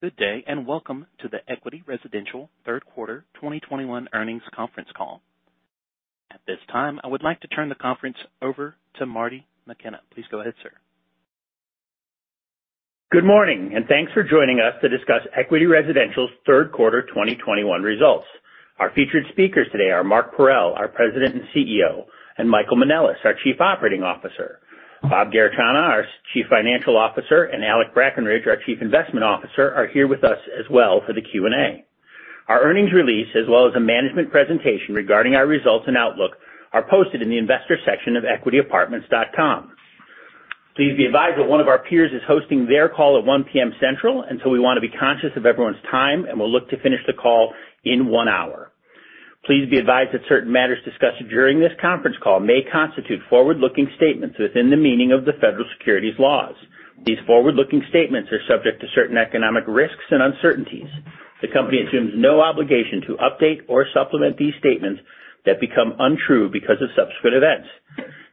Good day, and welcome to the Equity Residential Third Quarter 2021 Earnings Conference Call. At this time, I would like to turn the conference over to Marty McKenna. Please go ahead, sir. Good morning, and thanks for joining us to discuss Equity Residential's third quarter 2021 results. Our featured speakers today are Mark Parrell, our President and CEO, and Michael Manelis, our Chief Operating Officer. Bob Garechana, our Chief Financial Officer, and Alec Brackenridge, our Chief Investment Officer, are here with us as well for the Q&A. Our earnings release, as well as a management presentation regarding our results and outlook, are posted in the investor section of equityapartments.com. Please be advised that one of our peers is hosting their call at 1:00 P.M. Central, so we wanna be conscious of everyone's time, and we'll look to finish the call in one hour. Please be advised that certain matters discussed during this conference call may constitute forward-looking statements within the meaning of the federal securities laws. These forward-looking statements are subject to certain economic risks and uncertainties. The company assumes no obligation to update or supplement these statements that become untrue because of subsequent events.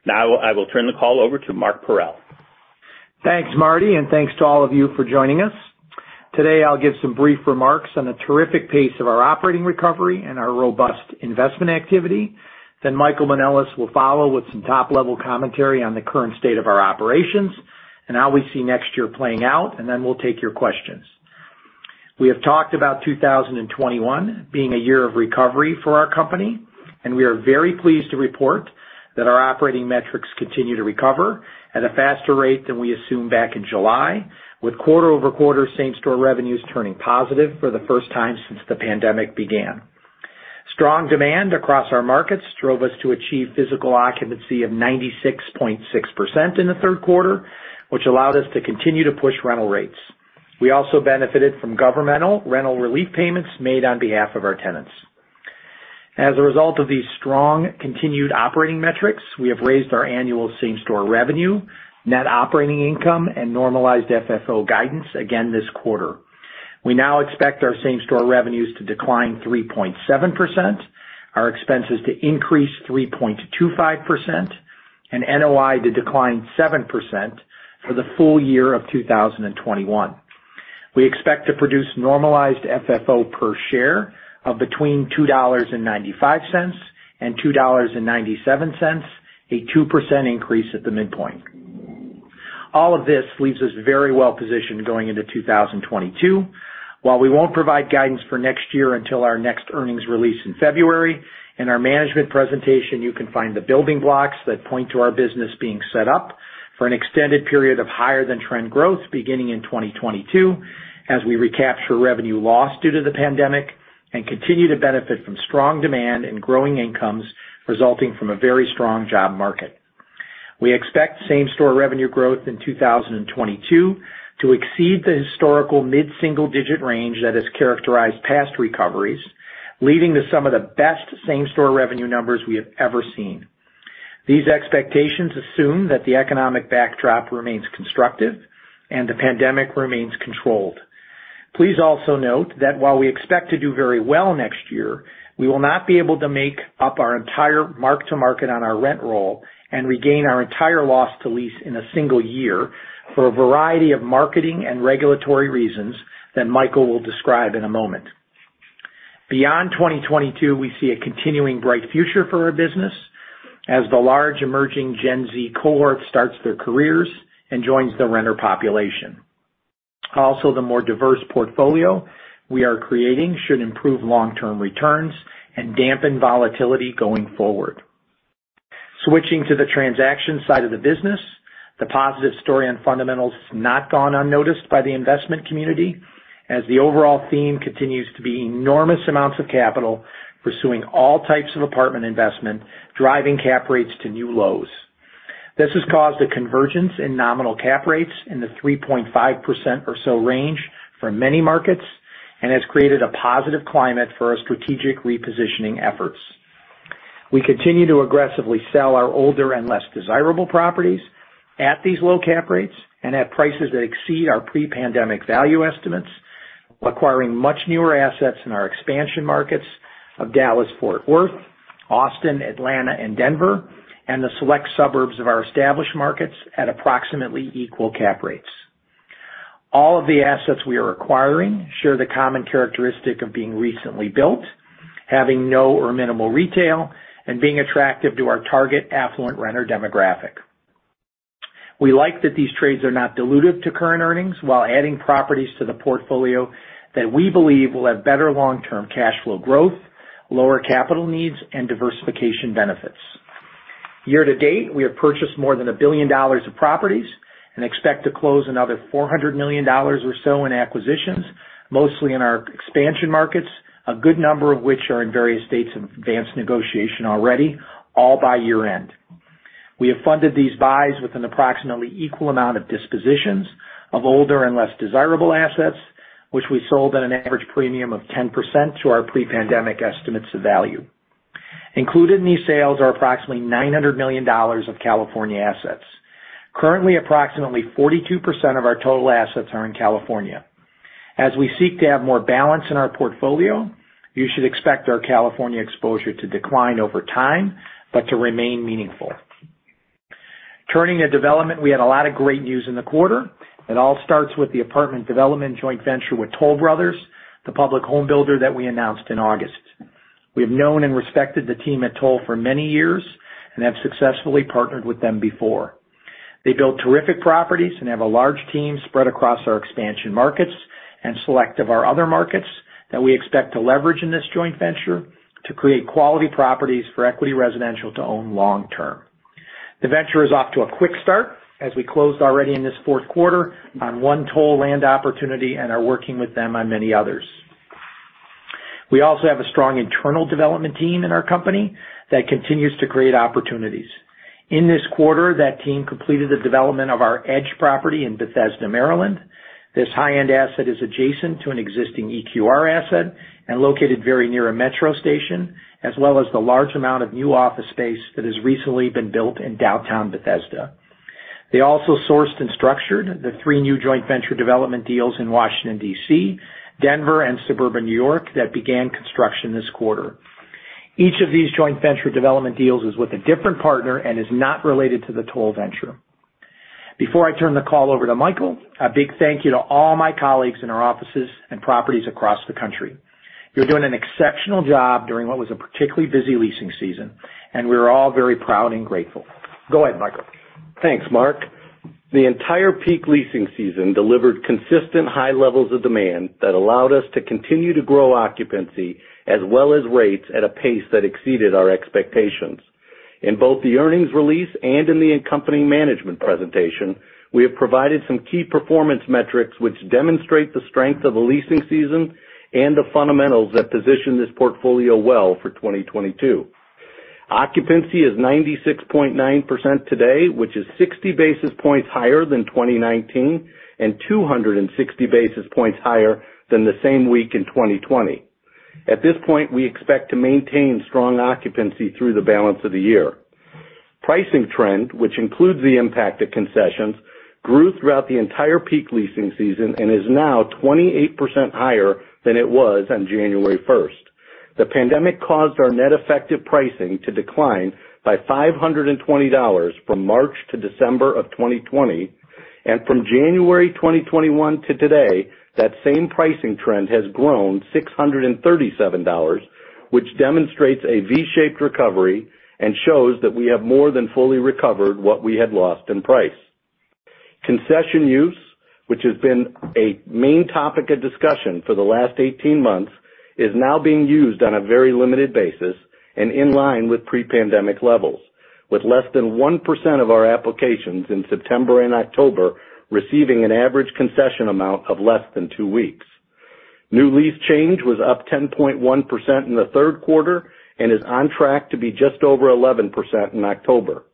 Now I will turn the call over to Mark J. Parrell. Thanks, Marty, and thanks to all of you for joining us. Today, I'll give some brief remarks on the terrific pace of our operating recovery and our robust investment activity. Then Michael Manelis will follow with some top-level commentary on the current state of our operations and how we see next year playing out, and then we'll take your questions. We have talked about 2021 being a year of recovery for our company, and we are very pleased to report that our operating metrics continue to recover at a faster rate than we assumed back in July, with quarter-over-quarter same-store revenues turning positive for the first time since the pandemic began. Strong demand across our markets drove us to achieve physical occupancy of 96.6% in the third quarter, which allowed us to continue to push rental rates. We also benefited from governmental rental relief payments made on behalf of our tenants. As a result of these strong continued operating metrics, we have raised our annual same-store revenue, net operating income, and normalized FFO guidance again this quarter. We now expect our same-store revenues to decline 3.7%, our expenses to increase 3.25%, and NOI to decline 7% for the full year of 2021. We expect to produce normalized FFO per share of between $2.95 and $2.97, a 2% increase at the midpoint. All of this leaves us very well positioned going into 2022. While we won't provide guidance for next year until our next earnings release in February, in our management presentation, you can find the building blocks that point to our business being set up for an extended period of higher than trend growth beginning in 2022, as we recapture revenue loss due to the pandemic and continue to benefit from strong demand and growing incomes resulting from a very strong job market. We expect same-store revenue growth in 2022 to exceed the historical mid-single-digit range that has characterized past recoveries, leading to some of the best same-store revenue numbers we have ever seen. These expectations assume that the economic backdrop remains constructive and the pandemic remains controlled. Please also note that while we expect to do very well next year, we will not be able to make up our entire mark to market on our rent roll and regain our entire loss to lease in a single year for a variety of marketing and regulatory reasons that Michael will describe in a moment. Beyond 2022, we see a continuing bright future for our business as the large emerging Gen Z cohort starts their careers and joins the renter population. Also, the more diverse portfolio we are creating should improve long-term returns and dampen volatility going forward. Switching to the transaction side of the business, the positive story and fundamentals has not gone unnoticed by the investment community as the overall theme continues to be enormous amounts of capital pursuing all types of apartment investment, driving cap rates to new lows. This has caused a convergence in nominal cap rates in the 3.5% or so range for many markets and has created a positive climate for our strategic repositioning efforts. We continue to aggressively sell our older and less desirable properties at these low cap rates and at prices that exceed our pre-pandemic value estimates, acquiring much newer assets in our Expansion Markets of Dallas, Fort Worth, Austin, Atlanta, and Denver, and the select suburbs of our Established Markets at approximately equal cap rates. All of the assets we are acquiring share the common characteristic of being recently built, having no or minimal retail, and being attractive to our target affluent renter demographic. We like that these trades are not dilutive to current earnings while adding properties to the portfolio that we believe will have better long-term cash flow growth, lower capital needs, and diversification benefits. Year to date, we have purchased more than $1 billion of properties and expect to close another $400 million or so in acquisitions, mostly in our Expansion Markets, a good number of which are in various states of advanced negotiation already, all by year-end. We have funded these buys with an approximately equal amount of dispositions of older and less desirable assets, which we sold at an average premium of 10% to our pre-pandemic estimates of value. Included in these sales are approximately $900 million of California assets. Currently, approximately 42% of our total assets are in California. As we seek to have more balance in our portfolio, you should expect our California exposure to decline over time, but to remain meaningful. Turning to development, we had a lot of great news in the quarter. It all starts with the apartment development joint venture with Toll Brothers, the public home builder that we announced in August. We have known and respected the team at Toll for many years and have successfully partnered with them before. They build terrific properties and have a large team spread across our Expansion Markets and select of our other markets that we expect to leverage in this joint venture to create quality properties for Equity Residential to own long term. The venture is off to a quick start as we closed already in this fourth quarter on one Toll land opportunity and are working with them on many others. We also have a strong internal development team in our company that continues to create opportunities. In this quarter, that team completed the development of our Edge property in Bethesda, Maryland. This high-end asset is adjacent to an existing EQR asset and located very near a Metro station, as well as the large amount of new office space that has recently been built in downtown Bethesda. They also sourced and structured the three new joint venture development deals in Washington, D.C., Denver, and suburban New York that began construction this quarter. Each of these joint venture development deals is with a different partner and is not related to the Toll venture. Before I turn the call over to Michael, a big thank you to all my colleagues in our offices and properties across the country. You're doing an exceptional job during what was a particularly busy leasing season, and we're all very proud and grateful. Go ahead, Michael. Thanks, Mark. The entire peak leasing season delivered consistent high levels of demand that allowed us to continue to grow occupancy as well as rates at a pace that exceeded our expectations. In both the earnings release and in the accompanying management presentation, we have provided some key performance metrics which demonstrate the strength of the leasing season and the fundamentals that position this portfolio well for 2022. Occupancy is 96.9% today, which is 60 basis points higher than 2019, and 260 basis points higher than the same week in 2020. At this point, we expect to maintain strong occupancy through the balance of the year. Pricing trend, which includes the impact of concessions, grew throughout the entire peak leasing season and is now 28% higher than it was on January first. The pandemic caused our net effective pricing to decline by $520 from March to December 2020, and from January 2021 to today, that same pricing trend has grown $637, which demonstrates a V-shaped recovery and shows that we have more than fully recovered what we had lost in price. Concession use, which has been a main topic of discussion for the last 18 months, is now being used on a very limited basis and in line with pre-pandemic levels, with less than 1% of our applications in September and October receiving an average concession amount of less than two weeks. New lease change was up 10.1% in the third quarter and is on track to be just over 11% in October.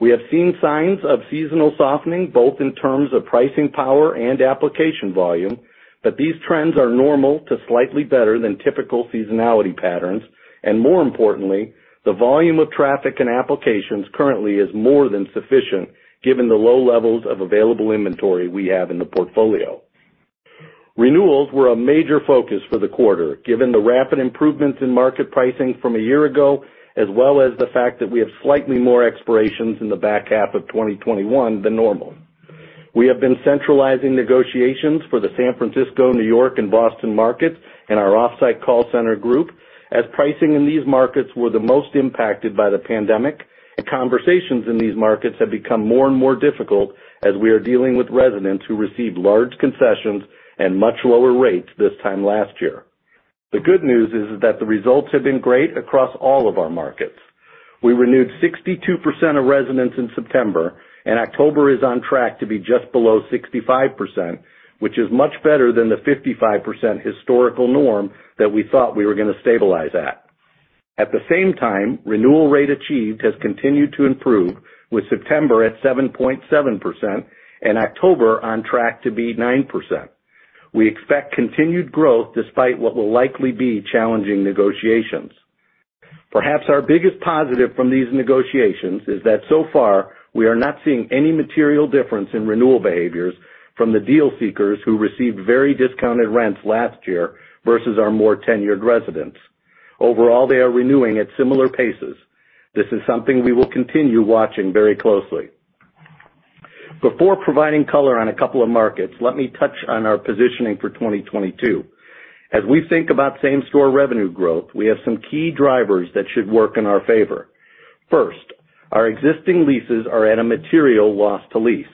We have seen signs of seasonal softening, both in terms of pricing power and application volume, but these trends are normal to slightly better than typical seasonality patterns. More importantly, the volume of traffic and applications currently is more than sufficient given the low levels of available inventory we have in the portfolio. Renewals were a major focus for the quarter, given the rapid improvements in market pricing from a year ago, as well as the fact that we have slightly more expirations in the back half of 2021 than normal. We have been centralizing negotiations for the San Francisco, New York, and Boston markets in our off-site call center group, as pricing in these markets were the most impacted by the pandemic, and conversations in these markets have become more and more difficult as we are dealing with residents who received large concessions and much lower rates this time last year. The good news is that the results have been great across all of our markets. We renewed 62% of residents in September, and October is on track to be just below 65%, which is much better than the 55% historical norm that we thought we were going to stabilize at. At the same time, renewal rate achieved has continued to improve, with September at 7.7% and October on track to be 9%. We expect continued growth despite what will likely be challenging negotiations. Perhaps our biggest positive from these negotiations is that so far we are not seeing any material difference in renewal behaviors from the deal seekers who received very discounted rents last year versus our more tenured residents. Overall, they are renewing at similar paces. This is something we will continue watching very closely. Before providing color on a couple of markets, let me touch on our positioning for 2022. As we think about same-store revenue growth, we have some key drivers that should work in our favor. First, our existing leases are at a material loss to lease.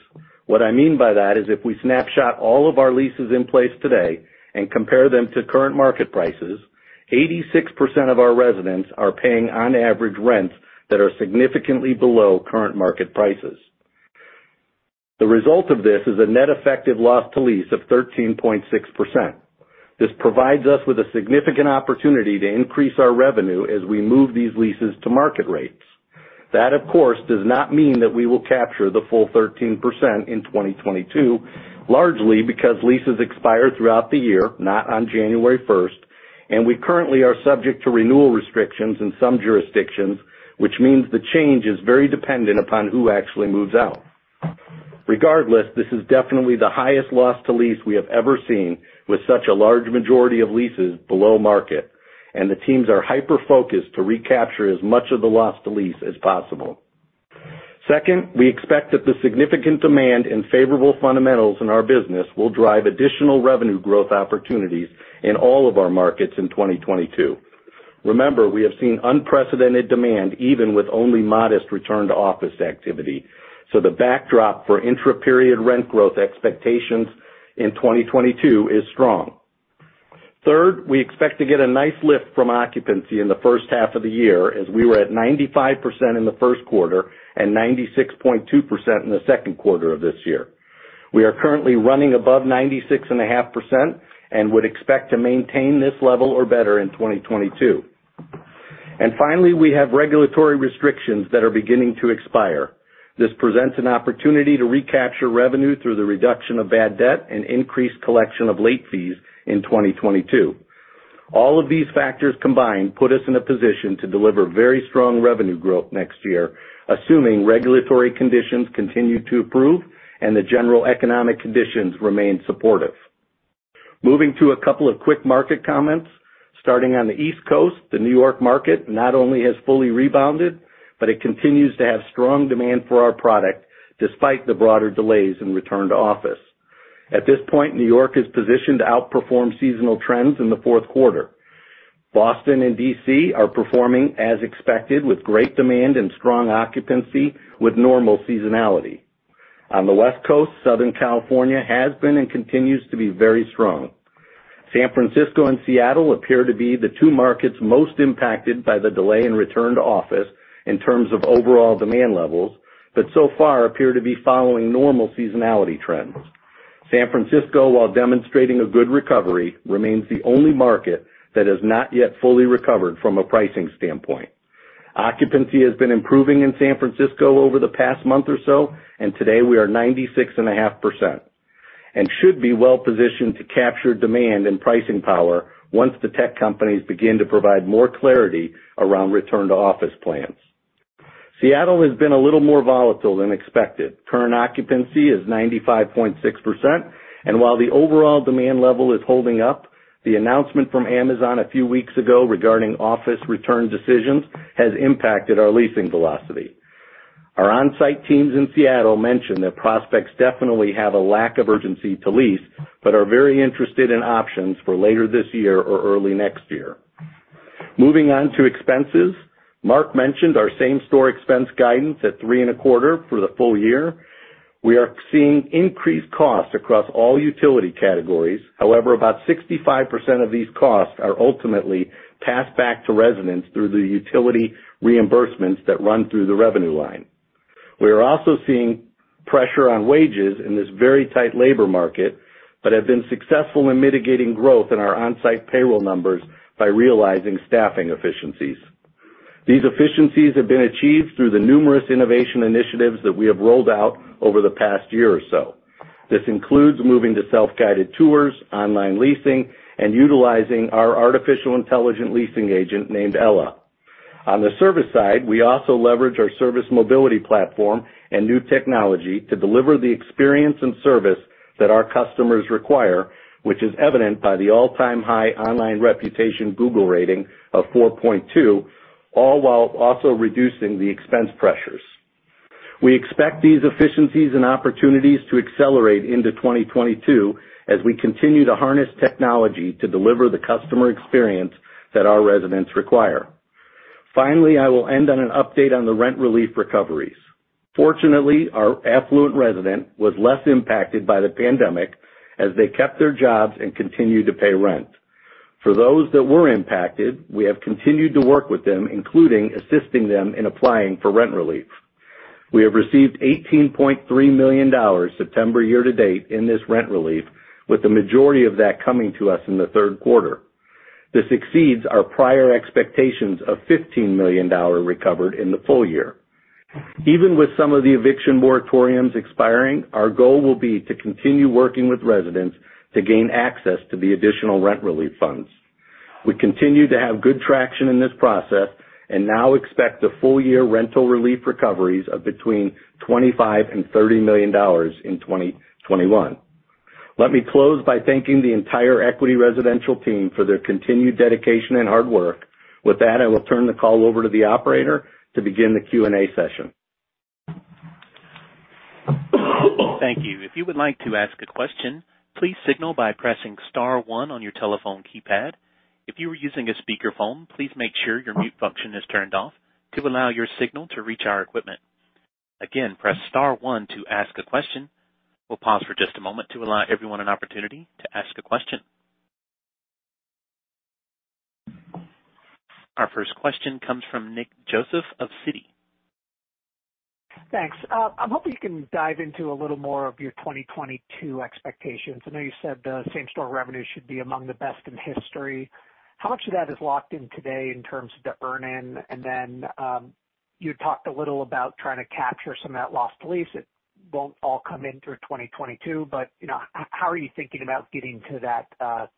What I mean by that is if we snapshot all of our leases in place today and compare them to current market prices, 86% of our residents are paying on average rents that are significantly below current market prices. The result of this is a net effective loss to lease of 13.6%. This provides us with a significant opportunity to increase our revenue as we move these leases to market rates. That, of course, does not mean that we will capture the full 13% in 2022, largely because leases expire throughout the year, not on January first, and we currently are subject to renewal restrictions in some jurisdictions, which means the change is very dependent upon who actually moves out. Regardless, this is definitely the highest loss to lease we have ever seen with such a large majority of leases below market, and the teams are hyper-focused to recapture as much of the loss to lease as possible. Second, we expect that the significant demand and favorable fundamentals in our business will drive additional revenue growth opportunities in all of our markets in 2022. Remember, we have seen unprecedented demand even with only modest return to office activity, so the backdrop for intraperiod rent growth expectations in 2022 is strong. Third, we expect to get a nice lift from occupancy in the first half of the year as we were at 95% in the first quarter and 96.2% in the second quarter of this year. We are currently running above 96.5% and would expect to maintain this level or better in 2022. Finally, we have regulatory restrictions that are beginning to expire. This presents an opportunity to recapture revenue through the reduction of bad debt and increased collection of late fees in 2022. All of these factors combined put us in a position to deliver very strong revenue growth next year, assuming regulatory conditions continue to improve and the general economic conditions remain supportive. Moving to a couple of quick market comments. Starting on the East Coast, the New York market not only has fully rebounded, but it continues to have strong demand for our product despite the broader delays in return to office. At this point, New York is positioned to outperform seasonal trends in the fourth quarter. Boston and D.C. are performing as expected with great demand and strong occupancy with normal seasonality. On the West Coast, Southern California has been and continues to be very strong. San Francisco and Seattle appear to be the two markets most impacted by the delay in return to office in terms of overall demand levels, but so far appear to be following normal seasonality trends. San Francisco, while demonstrating a good recovery, remains the only market that has not yet fully recovered from a pricing standpoint. Occupancy has been improving in San Francisco over the past month or so, and today we are 96.5% and should be well positioned to capture demand and pricing power once the tech companies begin to provide more clarity around return to office plans. Seattle has been a little more volatile than expected. Current occupancy is 95.6%, and while the overall demand level is holding up, the announcement from Amazon a few weeks ago regarding office return decisions has impacted our leasing velocity. Our on-site teams in Seattle mentioned that prospects definitely have a lack of urgency to lease but are very interested in options for later this year or early next year. Moving on to expenses. Mark mentioned our same store expense guidance at 3.25% for the full year. We are seeing increased costs across all utility categories. However, about 65% of these costs are ultimately passed back to residents through the utility reimbursements that run through the revenue line. We are also seeing pressure on wages in this very tight labor market, but have been successful in mitigating growth in our on-site payroll numbers by realizing staffing efficiencies. These efficiencies have been achieved through the numerous innovation initiatives that we have rolled out over the past year or so. This includes moving to self-guided tours, online leasing, and utilizing our artificially intelligent leasing agent named Ella. On the service side, we also leverage our service mobility platform and new technology to deliver the experience and service that our customers require, which is evident by the all-time high online reputation Google rating of 4.2, all while also reducing the expense pressures. We expect these efficiencies and opportunities to accelerate into 2022 as we continue to harness technology to deliver the customer experience that our residents require. Finally, I will end on an update on the rent relief recoveries. Fortunately, our affluent resident was less impacted by the pandemic as they kept their jobs and continued to pay rent. For those that were impacted, we have continued to work with them, including assisting them in applying for rent relief. We have received $18.3 million September year to date in this rent relief, with the majority of that coming to us in the third quarter. This exceeds our prior expectations of $15 million recovered in the full year. Even with some of the eviction moratoriums expiring, our goal will be to continue working with residents to gain access to the additional rent relief funds. We continue to have good traction in this process and now expect the full year rental relief recoveries of between $25 million and $30 million in 2021. Let me close by thanking the entire Equity Residential team for their continued dedication and hard work. With that, I will turn the call over to the operator to begin the Q&A session. Thank you. If you would like to ask a question, please signal by pressing star one on your telephone keypad. If you are using a speakerphone, please make sure your mute function is turned off to allow your signal to reach our equipment. Again, press star one to ask a question. We'll pause for just a moment to allow everyone an opportunity to ask a question. Our first question comes from Nick Joseph of Citi. Thanks. I'm hoping you can dive into a little more of your 2022 expectations. I know you said the same-store revenue should be among the best in history. How much of that is locked in today in terms of the earn in? And then, you talked a little about trying to capture some of that loss to lease. It won't all come in through 2022, but, you know, how are you thinking about getting to that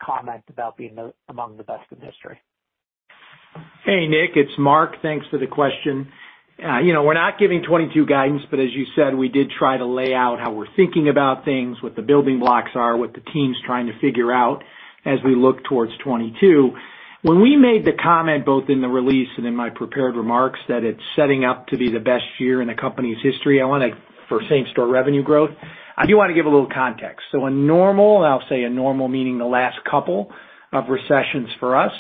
comment about being among the best in history? Hey Nick, it's Mark. Thanks for the question. You know, we're not giving 2022 guidance, but as you said, we did try to lay out how we're thinking about things, what the building blocks are, what the team's trying to figure out as we look towards 2022. When we made the comment, both in the release and in my prepared remarks, that it's setting up to be the best year in the company's history, I wanna for same-store revenue growth. I do wanna give a little context. A normal, and I'll say a normal meaning the last couple of recessions for us,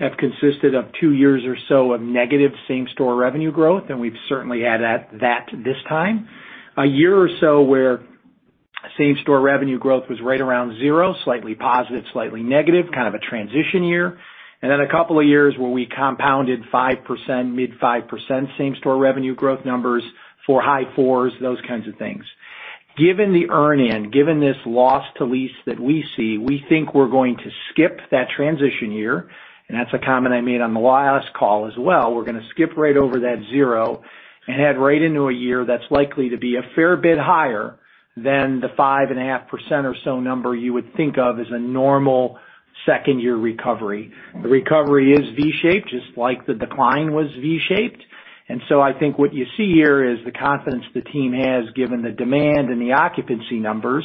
have consisted of two years or so of negative same-store revenue growth, and we've certainly had that this time. A year or so where same-store revenue growth was right around zero, slightly positive, slightly negative, kind of a transition year. Then a couple of years where we compounded 5%, mid-5% same-store revenue growth numbers, 4%, high fours, those kinds of things. Given the earn-in, given this loss to lease that we see, we think we're going to skip that transition year, and that's a comment I made on the last call as well. We're gonna skip right over that zero and head right into a year that's likely to be a fair bit higher than the 5.5% or so number you would think of as a normal second year recovery. The recovery is V-shaped, just like the decline was V-shaped. I think what you see here is the confidence the team has given the demand and the occupancy numbers,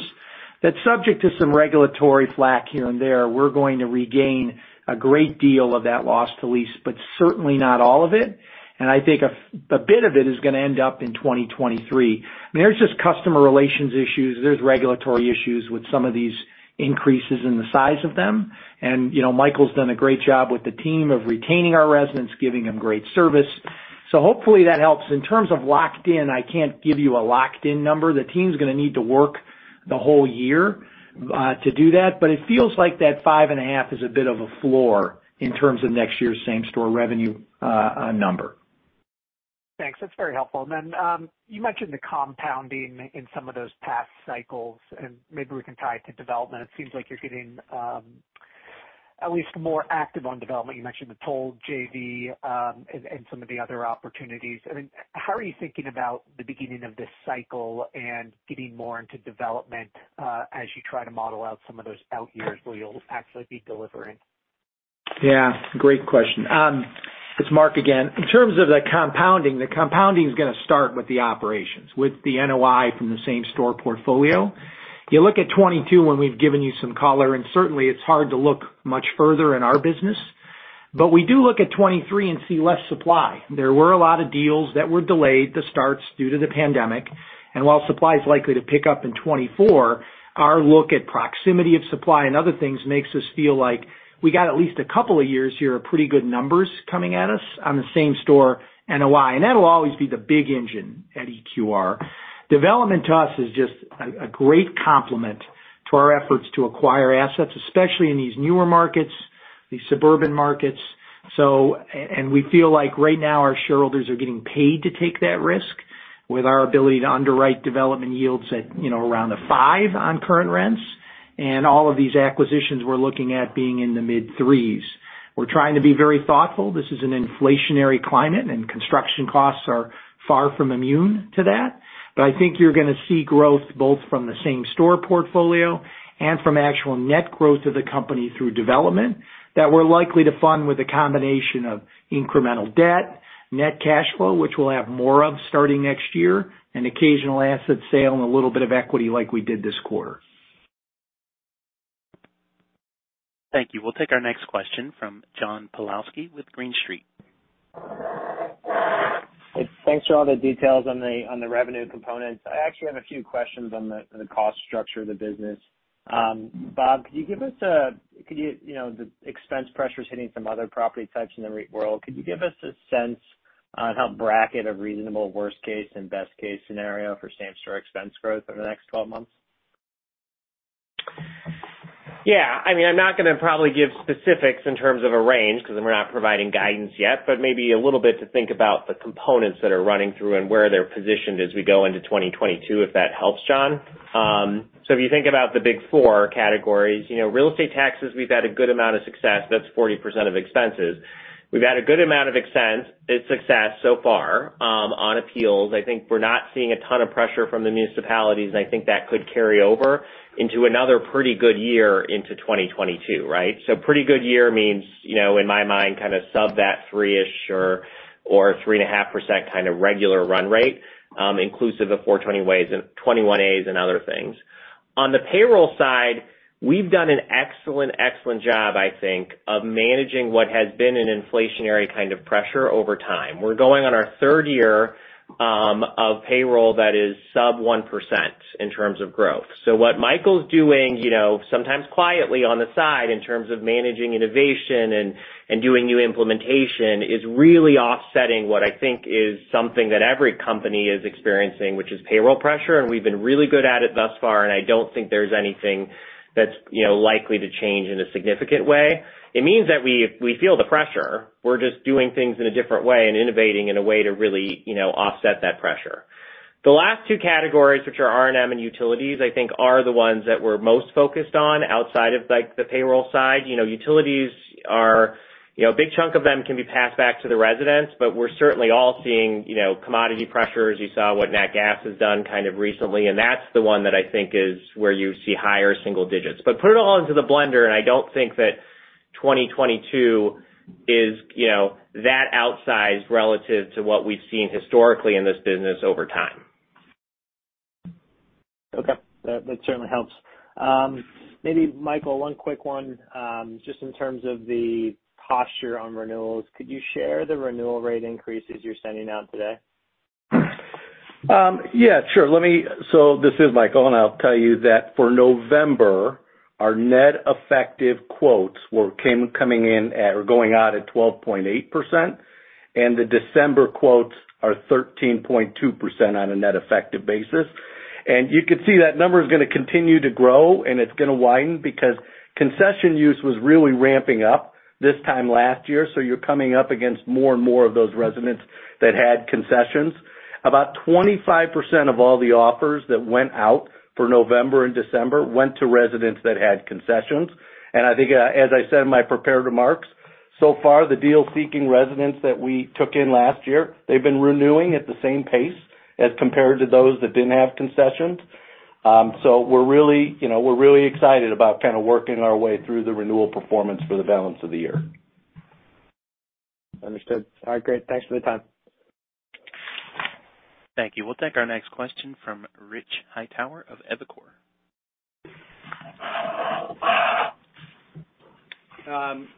that subject to some regulatory flak here and there, we're going to regain a great deal of that loss to lease, but certainly not all of it. I think a bit of it is gonna end up in 2023. I mean, there's just customer relations issues, there's regulatory issues with some of these increases and the size of them. You know, Michael's done a great job with the team of retaining our residents, giving them great service. Hopefully that helps. In terms of locked in, I can't give you a locked in number. The team's gonna need to work the whole year to do that, but it feels like that 5.5% is a bit of a floor in terms of next year's same-store revenue number. Thanks. That's very helpful. You mentioned the compounding in some of those past cycles, and maybe we can tie it to development. It seems like you're getting at least more active on development. You mentioned the Toll JV, and some of the other opportunities. I mean, how are you thinking about the beginning of this cycle and getting more into development, as you try to model out some of those out years where you'll actually be delivering? Yeah, great question. It's Mark again. In terms of the compounding, the compounding's gonna start with the operations, with the NOI from the same store portfolio. You look at 2022 when we've given you some color, and certainly it's hard to look much further in our business, but we do look at 2023 and see less supply. There were a lot of deals that were delayed starts due to the pandemic, and while supply is likely to pick up in 2024, our look at proximity of supply and other things makes us feel like we got at least a couple of years here of pretty good numbers coming at us on the same store NOI, and that'll always be the big engine at EQR. Development to us is just a great complement to our efforts to acquire assets, especially in these newer markets, these suburban markets. We feel like right now our shareholders are getting paid to take that risk with our ability to underwrite development yields at, you know, around 5% on current rents. All of these acquisitions we're looking at being in the mid-3s. We're trying to be very thoughtful. This is an inflationary climate, and construction costs are far from immune to that. I think you're gonna see growth both from the same store portfolio and from actual net growth of the company through development that we're likely to fund with a combination of incremental debt, net cash flow, which we'll have more of starting next year, and occasional asset sale and a little bit of equity like we did this quarter. Thank you. We'll take our next question from John Pawlowski with Green Street. Hey, thanks for all the details on the revenue components. I actually have a few questions on the cost structure of the business. Bob, you know, the expense pressure's hitting some other property types in the REIT world. Could you give us a sense on how to bracket a reasonable worst case and best case scenario for same-store expense growth over the next 12 months? Yeah. I mean, I'm not gonna probably give specifics in terms of a range 'cause then we're not providing guidance yet, but maybe a little bit to think about the components that are running through and where they're positioned as we go into 2022, if that helps, John. So if you think about the big four categories, you know, real estate taxes, we've had a good amount of success. That's 40% of expenses. We've had a good amount of success so far on appeals. I think we're not seeing a ton of pressure from the municipalities, and I think that could carry over into another pretty good year into 2022, right? Pretty good year means, you know, in my mind, kind of sub 3% or 3.5% kind of regular run rate, inclusive of 421-a's and other things. On the payroll side, we've done an excellent job, I think, of managing what has been an inflationary kind of pressure over time. We're going on our third year of payroll that is sub 1% in terms of growth. What Michael's doing, you know, sometimes quietly on the side in terms of managing innovation and doing new implementation, is really offsetting what I think is something that every company is experiencing, which is payroll pressure. We've been really good at it thus far, and I don't think there's anything that's, you know, likely to change in a significant way. It means that we feel the pressure. We're just doing things in a different way and innovating in a way to really, you know, offset that pressure. The last two categories, which are R&M and utilities, I think are the ones that we're most focused on outside of, like, the payroll side. You know, utilities are. You know, a big chunk of them can be passed back to the residents, but we're certainly all seeing, you know, commodity pressures. You saw what nat gas has done kind of recently, and that's the one that I think is where you see higher single digits. Put it all into the blender, and I don't think that 2022 is, you know, that outsized relative to what we've seen historically in this business over time. Okay. That certainly helps. Maybe Michael, one quick one, just in terms of the posture on renewals. Could you share the renewal rate increases you're sending out today? Yeah, sure. So this is Michael, and I'll tell you that for November, our net effective quotes were coming in at or going out at 12.8%, and the December quotes are 13.2% on a net effective basis. You could see that number is gonna continue to grow, and it's gonna widen because concession use was really ramping up this time last year, so you're coming up against more and more of those residents that had concessions. About 25% of all the offers that went out for November and December went to residents that had concessions. I think, as I said in my prepared remarks, so far, the deal-seeking residents that we took in last year, they've been renewing at the same pace as compared to those that didn't have concessions. We're really, you know, excited about kind of working our way through the renewal performance for the balance of the year. Understood. All right, great. Thanks for the time. Thank you. We'll take our next question from Rich Hightower of Evercore.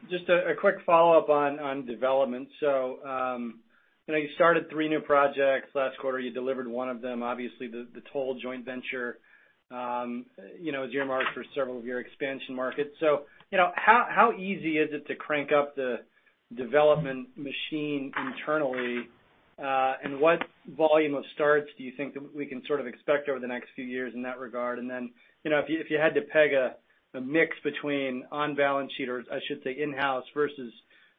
Just a quick follow-up on development. You know, you started three new projects last quarter. You delivered one of them, obviously, the Toll joint venture, you know, as you remarked for several of your Expansion Markets. How easy is it to crank up the development machine internally, and what volume of starts do you think that we can sort of expect over the next few years in that regard? You know, if you had to peg a mix between on balance sheet or I should say in-house versus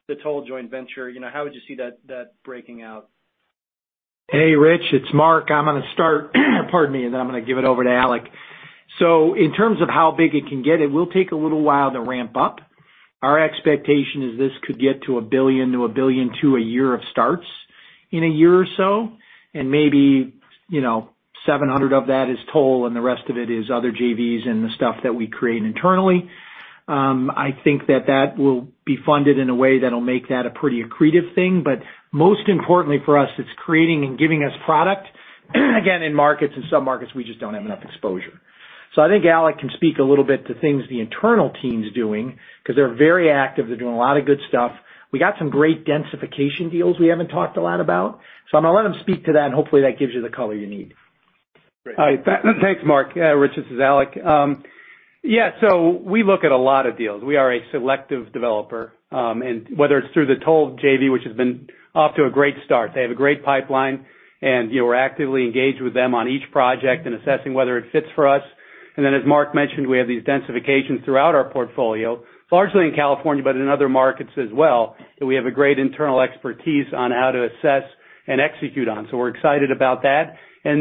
the Toll joint venture, you know, how would you see that breaking out? Hey, Rich, it's Mark. I'm gonna start, pardon me, and then I'm gonna give it over to Alec. In terms of how big it can get, it will take a little while to ramp up. Our expectation is this could get to $1 billion a year of starts in a year or so, and maybe, you know, $700 million of that is Toll and the rest of it is other JVs and the stuff that we create internally. I think that will be funded in a way that'll make that a pretty accretive thing. Most importantly for us, it's creating and giving us product, again, in markets, in some markets, we just don't have enough exposure. I think Alec can speak a little bit to things the internal team's doing 'cause they're very active. They're doing a lot of good stuff. We got some great densification deals we haven't talked a lot about. I'm gonna let him speak to that, and hopefully, that gives you the color you need. Great. Hi. Thanks, Mark. Rich, this is Alec. We look at a lot of deals. We are a selective developer, and whether it's through the Toll JV, which has been off to a great start. They have a great pipeline, and, you know, we're actively engaged with them on each project and assessing whether it fits for us. As Mark mentioned, we have these densifications throughout our portfolio, largely in California, but in other markets as well, that we have a great internal expertise on how to assess and execute on. We're excited about that. You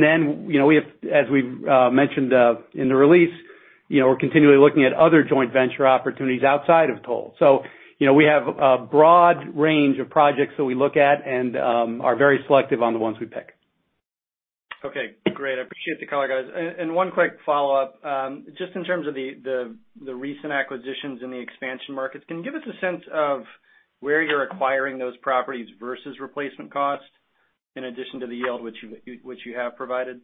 know, as we've mentioned in the release, you know, we're continually looking at other joint venture opportunities outside of Toll. You know, we have a broad range of projects that we look at and are very selective on the ones we pick. Okay, great. I appreciate the color, guys. One quick follow-up, just in terms of the recent acquisitions in the Expansion Markets. Can you give us a sense of where you're acquiring those properties versus replacement cost in addition to the yield which you have provided?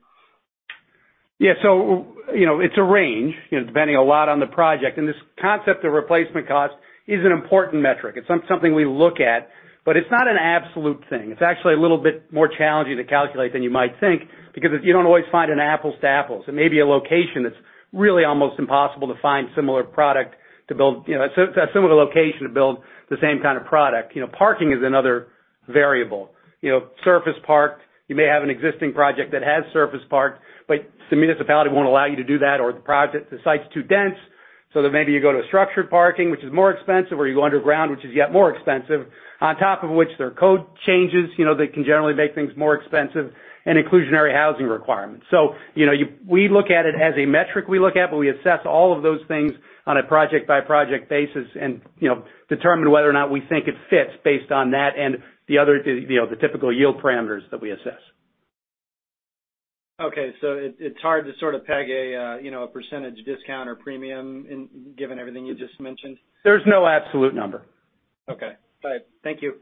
Yeah. You know, it's a range, you know, depending a lot on the project. This concept of replacement cost is an important metric. It's something we look at, but it's not an absolute thing. It's actually a little bit more challenging to calculate than you might think because if you don't always find an apples to apples, it may be a location that's really almost impossible to find similar product to build, you know, a similar location to build the same kind of product. You know, parking is another variable. You know, surface parking, you may have an existing project that has surface parking, but the municipality won't allow you to do that or the project, the site's too dense, so then maybe you go to a structured parking, which is more expensive, or you go underground, which is yet more expensive, on top of which there are code changes, you know, that can generally make things more expensive and inclusionary housing requirements. You know, we look at it as a metric we look at, but we assess all of those things on a project-by-project basis and, you know, determine whether or not we think it fits based on that and the other, you know, the typical yield parameters that we assess. Okay. It's hard to sort of peg a, you know, percentage discount or premium, given everything you just mentioned. There's no absolute number. Okay. All right. Thank you.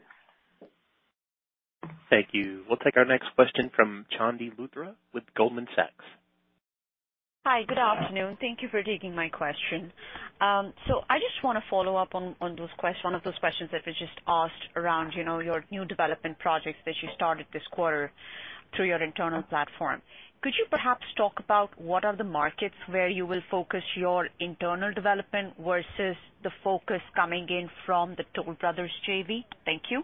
Thank you. We'll take our next question from Chandni Luthra with Goldman Sachs. Hi. Good afternoon. Thank you for taking my question. So I just wanna follow up on one of those questions that was just asked around, you know, your new development projects that you started this quarter through your internal platform. Could you perhaps talk about what are the markets where you will focus your internal development versus the focus coming in from the Toll Brothers JV? Thank you.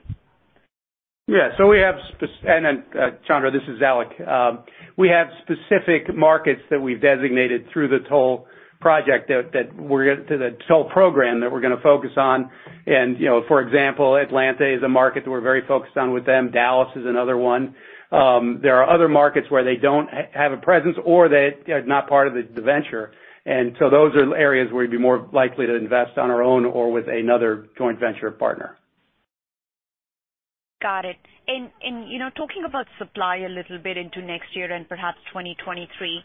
Chandni Luthra, this is Alec. We have specific markets that we've designated through the Toll Brothers program that we're gonna focus on. You know, for example, Atlanta is a market that we're very focused on with them. Dallas is another one. There are other markets where they don't have a presence or, you know, not part of the venture. Those are areas where we'd be more likely to invest on our own or with another joint venture partner. Got it. You know, talking about supply a little bit into next year and perhaps 2023,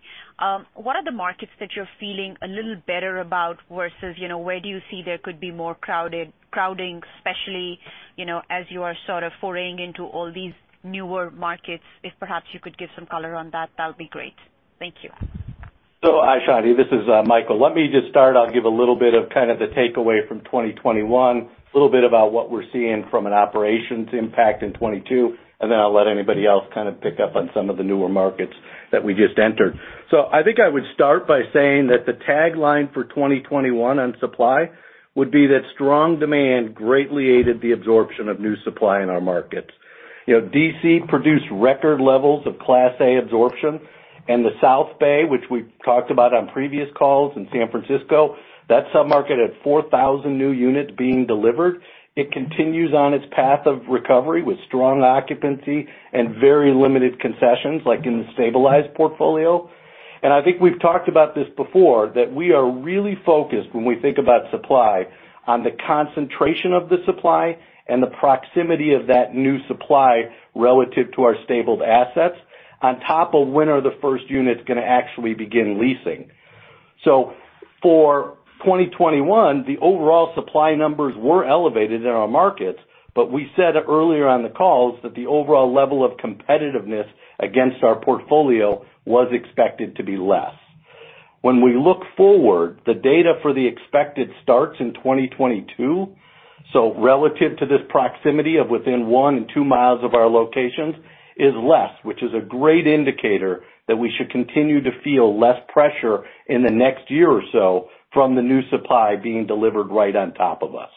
what are the markets that you're feeling a little better about versus, you know, where do you see there could be more crowding, especially, you know, as you are sort of foraying into all these newer markets? If perhaps you could give some color on that would be great. Thank you. Chandni, this is Michael. Let me just start. I'll give a little bit of kind of the takeaway from 2021, a little bit about what we're seeing from an operations impact in 2022, and then I'll let anybody else kind of pick up on some of the newer markets that we just entered. I think I would start by saying that the tagline for 2021 on supply would be that strong demand greatly aided the absorption of new supply in our markets. You know, D.C. produced record levels of Class A absorption. The South Bay, which we've talked about on previous calls in San Francisco, that sub-market had 4,000 new units being delivered. It continues on its path of recovery with strong occupancy and very limited concessions, like in the stabilized portfolio. I think we've talked about this before, that we are really focused when we think about supply on the concentration of the supply and the proximity of that new supply relative to our stabilized assets on top of when are the first units gonna actually begin leasing. For 2021, the overall supply numbers were elevated in our markets, but we said earlier on the calls that the overall level of competitiveness against our portfolio was expected to be less. When we look forward, the data for the expected starts in 2022, so relative to this proximity of within 1 mi and 2 mi of our locations, is less, which is a great indicator that we should continue to feel less pressure in the next year or so from the new supply being delivered right on top of us.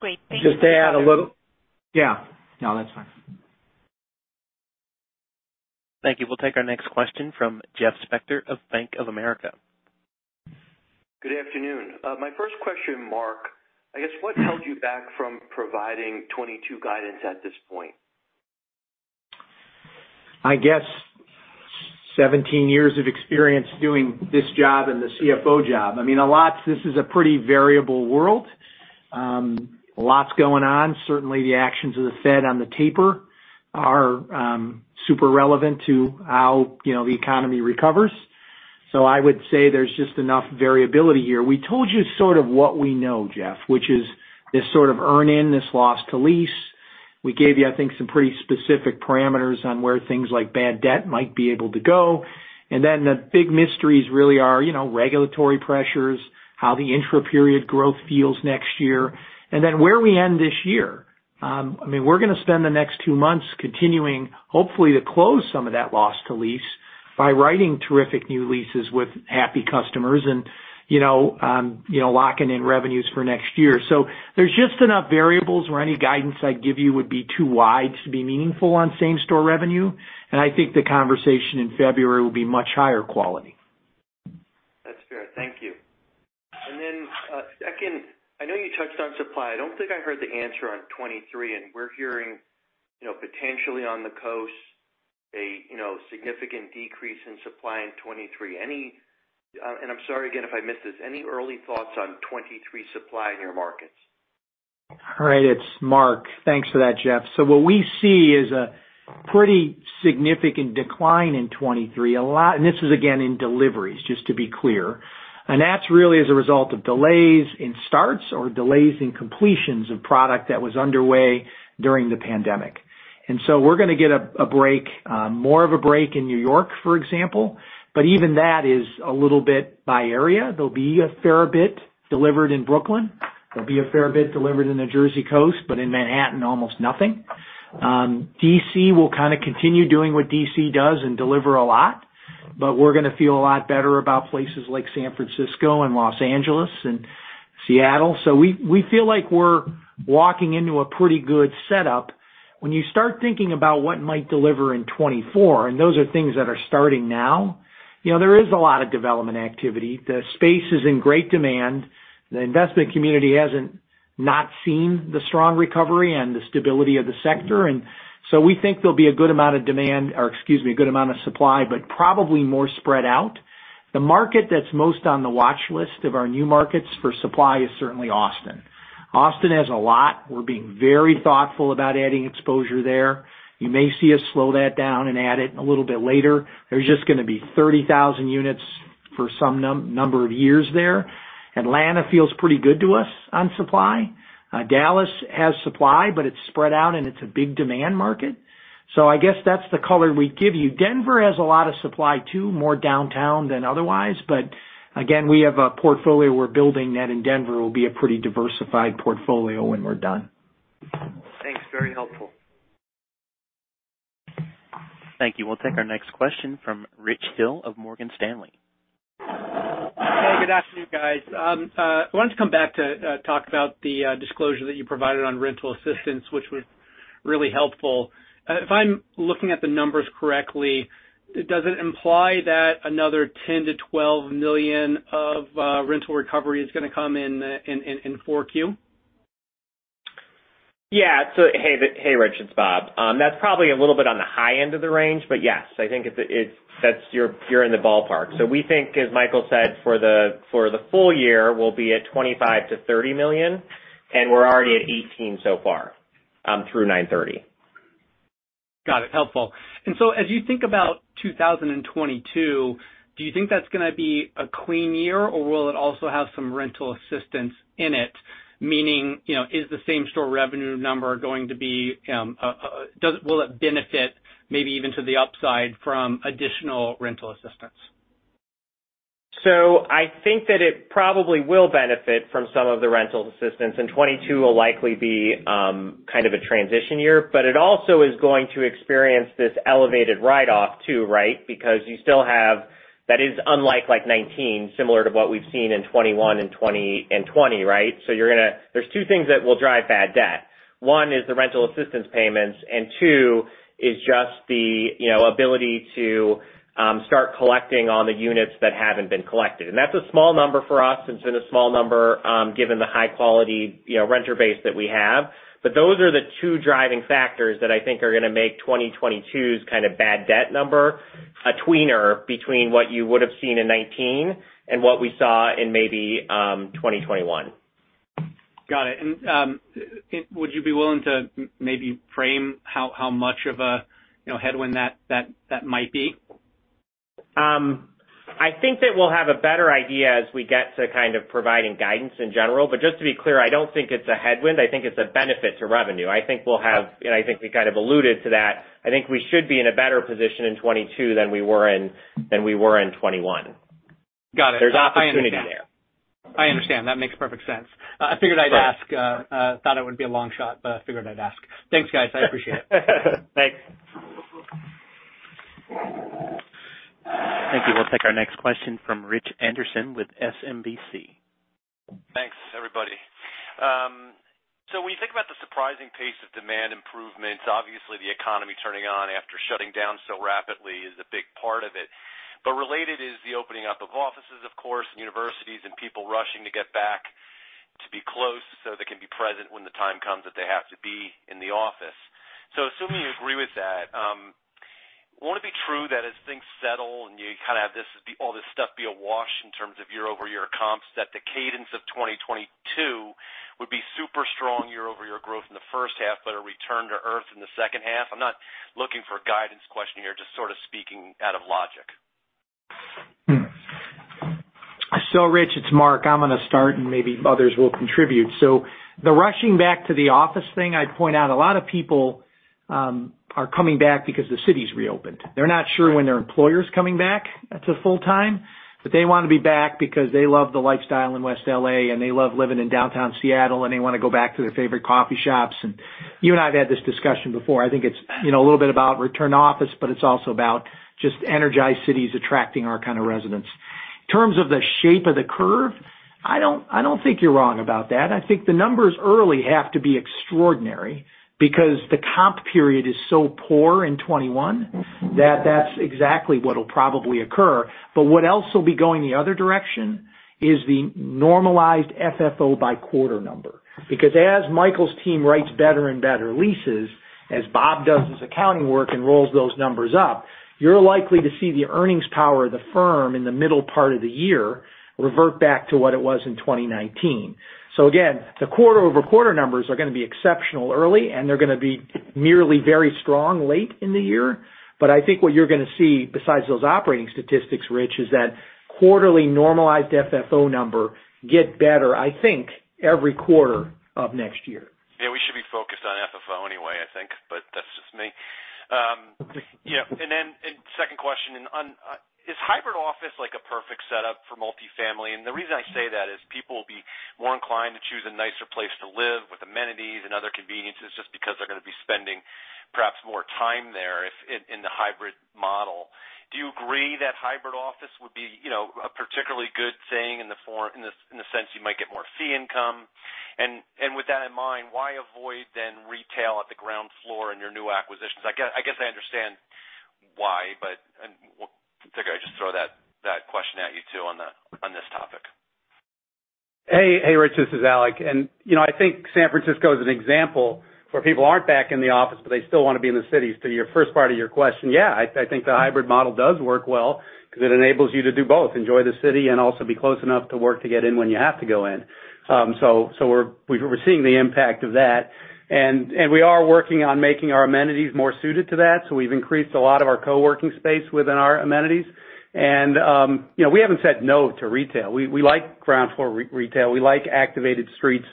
Great. Thank you. Just to add a little. Yeah. No, that's fine. Thank you. We'll take our next question from Jeff Spector of Bank of America. Good afternoon. My first question, Mark, I guess what held you back from providing 2022 guidance at this point? I guess 17 years of experience doing this job and the CFO job. I mean, a lot. This is a pretty variable world. Lots going on. Certainly, the actions of the Fed on the taper are super relevant to how, you know, the economy recovers. I would say there's just enough variability here. We told you sort of what we know, Jeff, which is this sort of earn in, this loss to lease. We gave you, I think, some pretty specific parameters on where things like bad debt might be able to go. The big mysteries really are, you know, regulatory pressures, how the intraperiod growth feels next year, and then where we end this year. I mean, we're gonna spend the next two months continuing, hopefully, to close some of that loss to lease by writing terrific new leases with happy customers and, you know, locking in revenues for next year. There's just enough variables where any guidance I'd give you would be too wide to be meaningful on same-store revenue, and I think the conversation in February will be much higher quality. That's fair. Thank you. Second, I know you touched on supply. I don't think I heard the answer on 2023, and we're hearing, you know, potentially on the coast a, you know, significant decrease in supply in 2023. I'm sorry again if I missed this. Any early thoughts on 2023 supply in your markets? All right. It's Mark. Thanks for that, Jeff. What we see is a pretty significant decline in 2023, a lot. This is again in deliveries, just to be clear. That's really as a result of delays in starts or delays in completions of product that was underway during the pandemic. We're gonna get a break, more of a break in New York, for example, but even that is a little bit by area. There'll be a fair bit delivered in Brooklyn. There'll be a fair bit delivered in the Jersey Coast, but in Manhattan, almost nothing. D.C. will kind of continue doing what D.C. does and deliver a lot, but we're gonna feel a lot better about places like San Francisco and Los Angeles and Seattle. We feel like we're walking into a pretty good setup. When you start thinking about what might deliver in 2024, and those are things that are starting now, you know, there is a lot of development activity. The space is in great demand. The investment community hasn't not seen the strong recovery and the stability of the sector. We think there'll be a good amount of demand, or excuse me, a good amount of supply, but probably more spread out. The market that's most on the watch list of our new markets for supply is certainly Austin. Austin has a lot. We're being very thoughtful about adding exposure there. You may see us slow that down and add it a little bit later. There's just gonna be 30,000 units for some number of years there. Atlanta feels pretty good to us on supply. Dallas has supply, but it's spread out, and it's a big demand market. I guess that's the color we'd give you. Denver has a lot of supply too, more downtown than otherwise. Again, we have a portfolio we're building that in Denver will be a pretty diversified portfolio when we're done. Thanks. Very helpful. Thank you. We'll take our next question from Rich Hill of Morgan Stanley. Hey, good afternoon, guys. Wanted to come back to talk about the disclosure that you provided on rental assistance, which was really helpful. If I'm looking at the numbers correctly, does it imply that another $10 million-$12 million of rental recovery is gonna come in in 4Q? Yeah. Hey, Rich, it's Bob. That's probably a little bit on the high end of the range, but yes, I think it's that. You're in the ballpark. We think, as Michael said, for the full year, we'll be at $25 million-$30 million, and we're already at $18 million so far through 9/30. Got it. Helpful. As you think about 2022, do you think that's gonna be a clean year or will it also have some rental assistance in it? Meaning, you know, is the same-store revenue number going to be, will it benefit maybe even to the upside from additional rental assistance? I think that it probably will benefit from some of the rental assistance, and 2022 will likely be kind of a transition year. It also is going to experience this elevated write-off too, right? Because you still have that is unlike 2019, similar to what we've seen in 2021 and 2020, right? There's two things that will drive bad debt. One is the rental assistance payments, and two is just the, you know, ability to start collecting on the units that haven't been collected. That's a small number for us. It's been a small number given the high quality, you know, renter base that we have. Those are the two driving factors that I think are gonna make 2022's kind of bad debt number a tweener between what you would have seen in 2019 and what we saw in maybe 2021. Got it. Would you be willing to maybe frame how much of a, you know, headwind that might be? I think that we'll have a better idea as we get to kind of providing guidance in general. Just to be clear, I don't think it's a headwind. I think it's a benefit to revenue. I think we'll have. I think we kind of alluded to that. I think we should be in a better position in 2022 than we were in 2021. Got it. There's opportunity there. I understand. That makes perfect sense. I figured I'd ask. I thought it would be a long shot, but I figured I'd ask. Thanks, guys. I appreciate it. Thanks. Thank you. We'll take our next question from Rich Anderson with SMBC. Thanks, everybody. When you think about the surprising pace of demand improvements, obviously the economy turning on after shutting down so rapidly is a big part of it. Related is the opening up of offices, of course, universities and people rushing to get back to be close so they can be present when the time comes that they have to be in the office. Assuming you agree with that, won't it be true that as things settle and you kind of have this, all this stuff be awash in terms of year-over-year comps, that the cadence of 2022 would be super strong year-over-year growth in the first half, but a return to earth in the second half? I'm not looking for a guidance question here, just sort of speaking out of logic. Rich, it's Mark. I'm gonna start, and maybe others will contribute. The rushing back to the office thing, I'd point out a lot of people are coming back because the city's reopened. They're not sure when their employer's coming back to full-time, but they want to be back because they love the lifestyle in West L.A., and they love living in downtown Seattle, and they want to go back to their favorite coffee shops. You and I have had this discussion before. I think it's, you know, a little bit about return to office, but it's also about just energized cities attracting our kind of residents. In terms of the shape of the curve, I don't think you're wrong about that. I think the numbers early have to be extraordinary because the comp period is so poor in 2021 that that's exactly what'll probably occur. What else will be going the other direction is the normalized FFO by quarter number. Because as Michael's team writes better and better leases, as Bob does his accounting work and rolls those numbers up, you're likely to see the earnings power of the firm in the middle part of the year revert back to what it was in 2019. Again, the quarter-over-quarter numbers are gonna be exceptional early, and they're gonna be merely very strong late in the year. I think what you're gonna see besides those operating statistics, Rich, is that quarterly normalized FFO number get better, I think, every quarter of next year. Yeah, we should be focused on FFO anyway, I think, but that's just me. Yeah. Then, second question. On, is hybrid office like a perfect setup for multifamily? The reason I say that is people will be more inclined to choose a nicer place to live with amenities and other conveniences just because they're gonna be spending perhaps more time there if in the hybrid model. Do you agree that hybrid office would be, you know, a particularly good thing in the sense you might get more fee income? With that in mind, why avoid then retail at the ground floor in your new acquisitions? I guess I understand why, but figure I'd just throw that question at you too on this topic. Hey, Rich, this is Alec. You know, I think San Francisco is an example where people aren't back in the office, but they still want to be in the cities. To your first part of your question, yeah, I think the hybrid model does work well because it enables you to do both, enjoy the city and also be close enough to work to get in when you have to go in. We're seeing the impact of that. We are working on making our amenities more suited to that. We've increased a lot of our co-working space within our amenities. You know, we haven't said no to retail. We like ground floor retail. We like activated streets.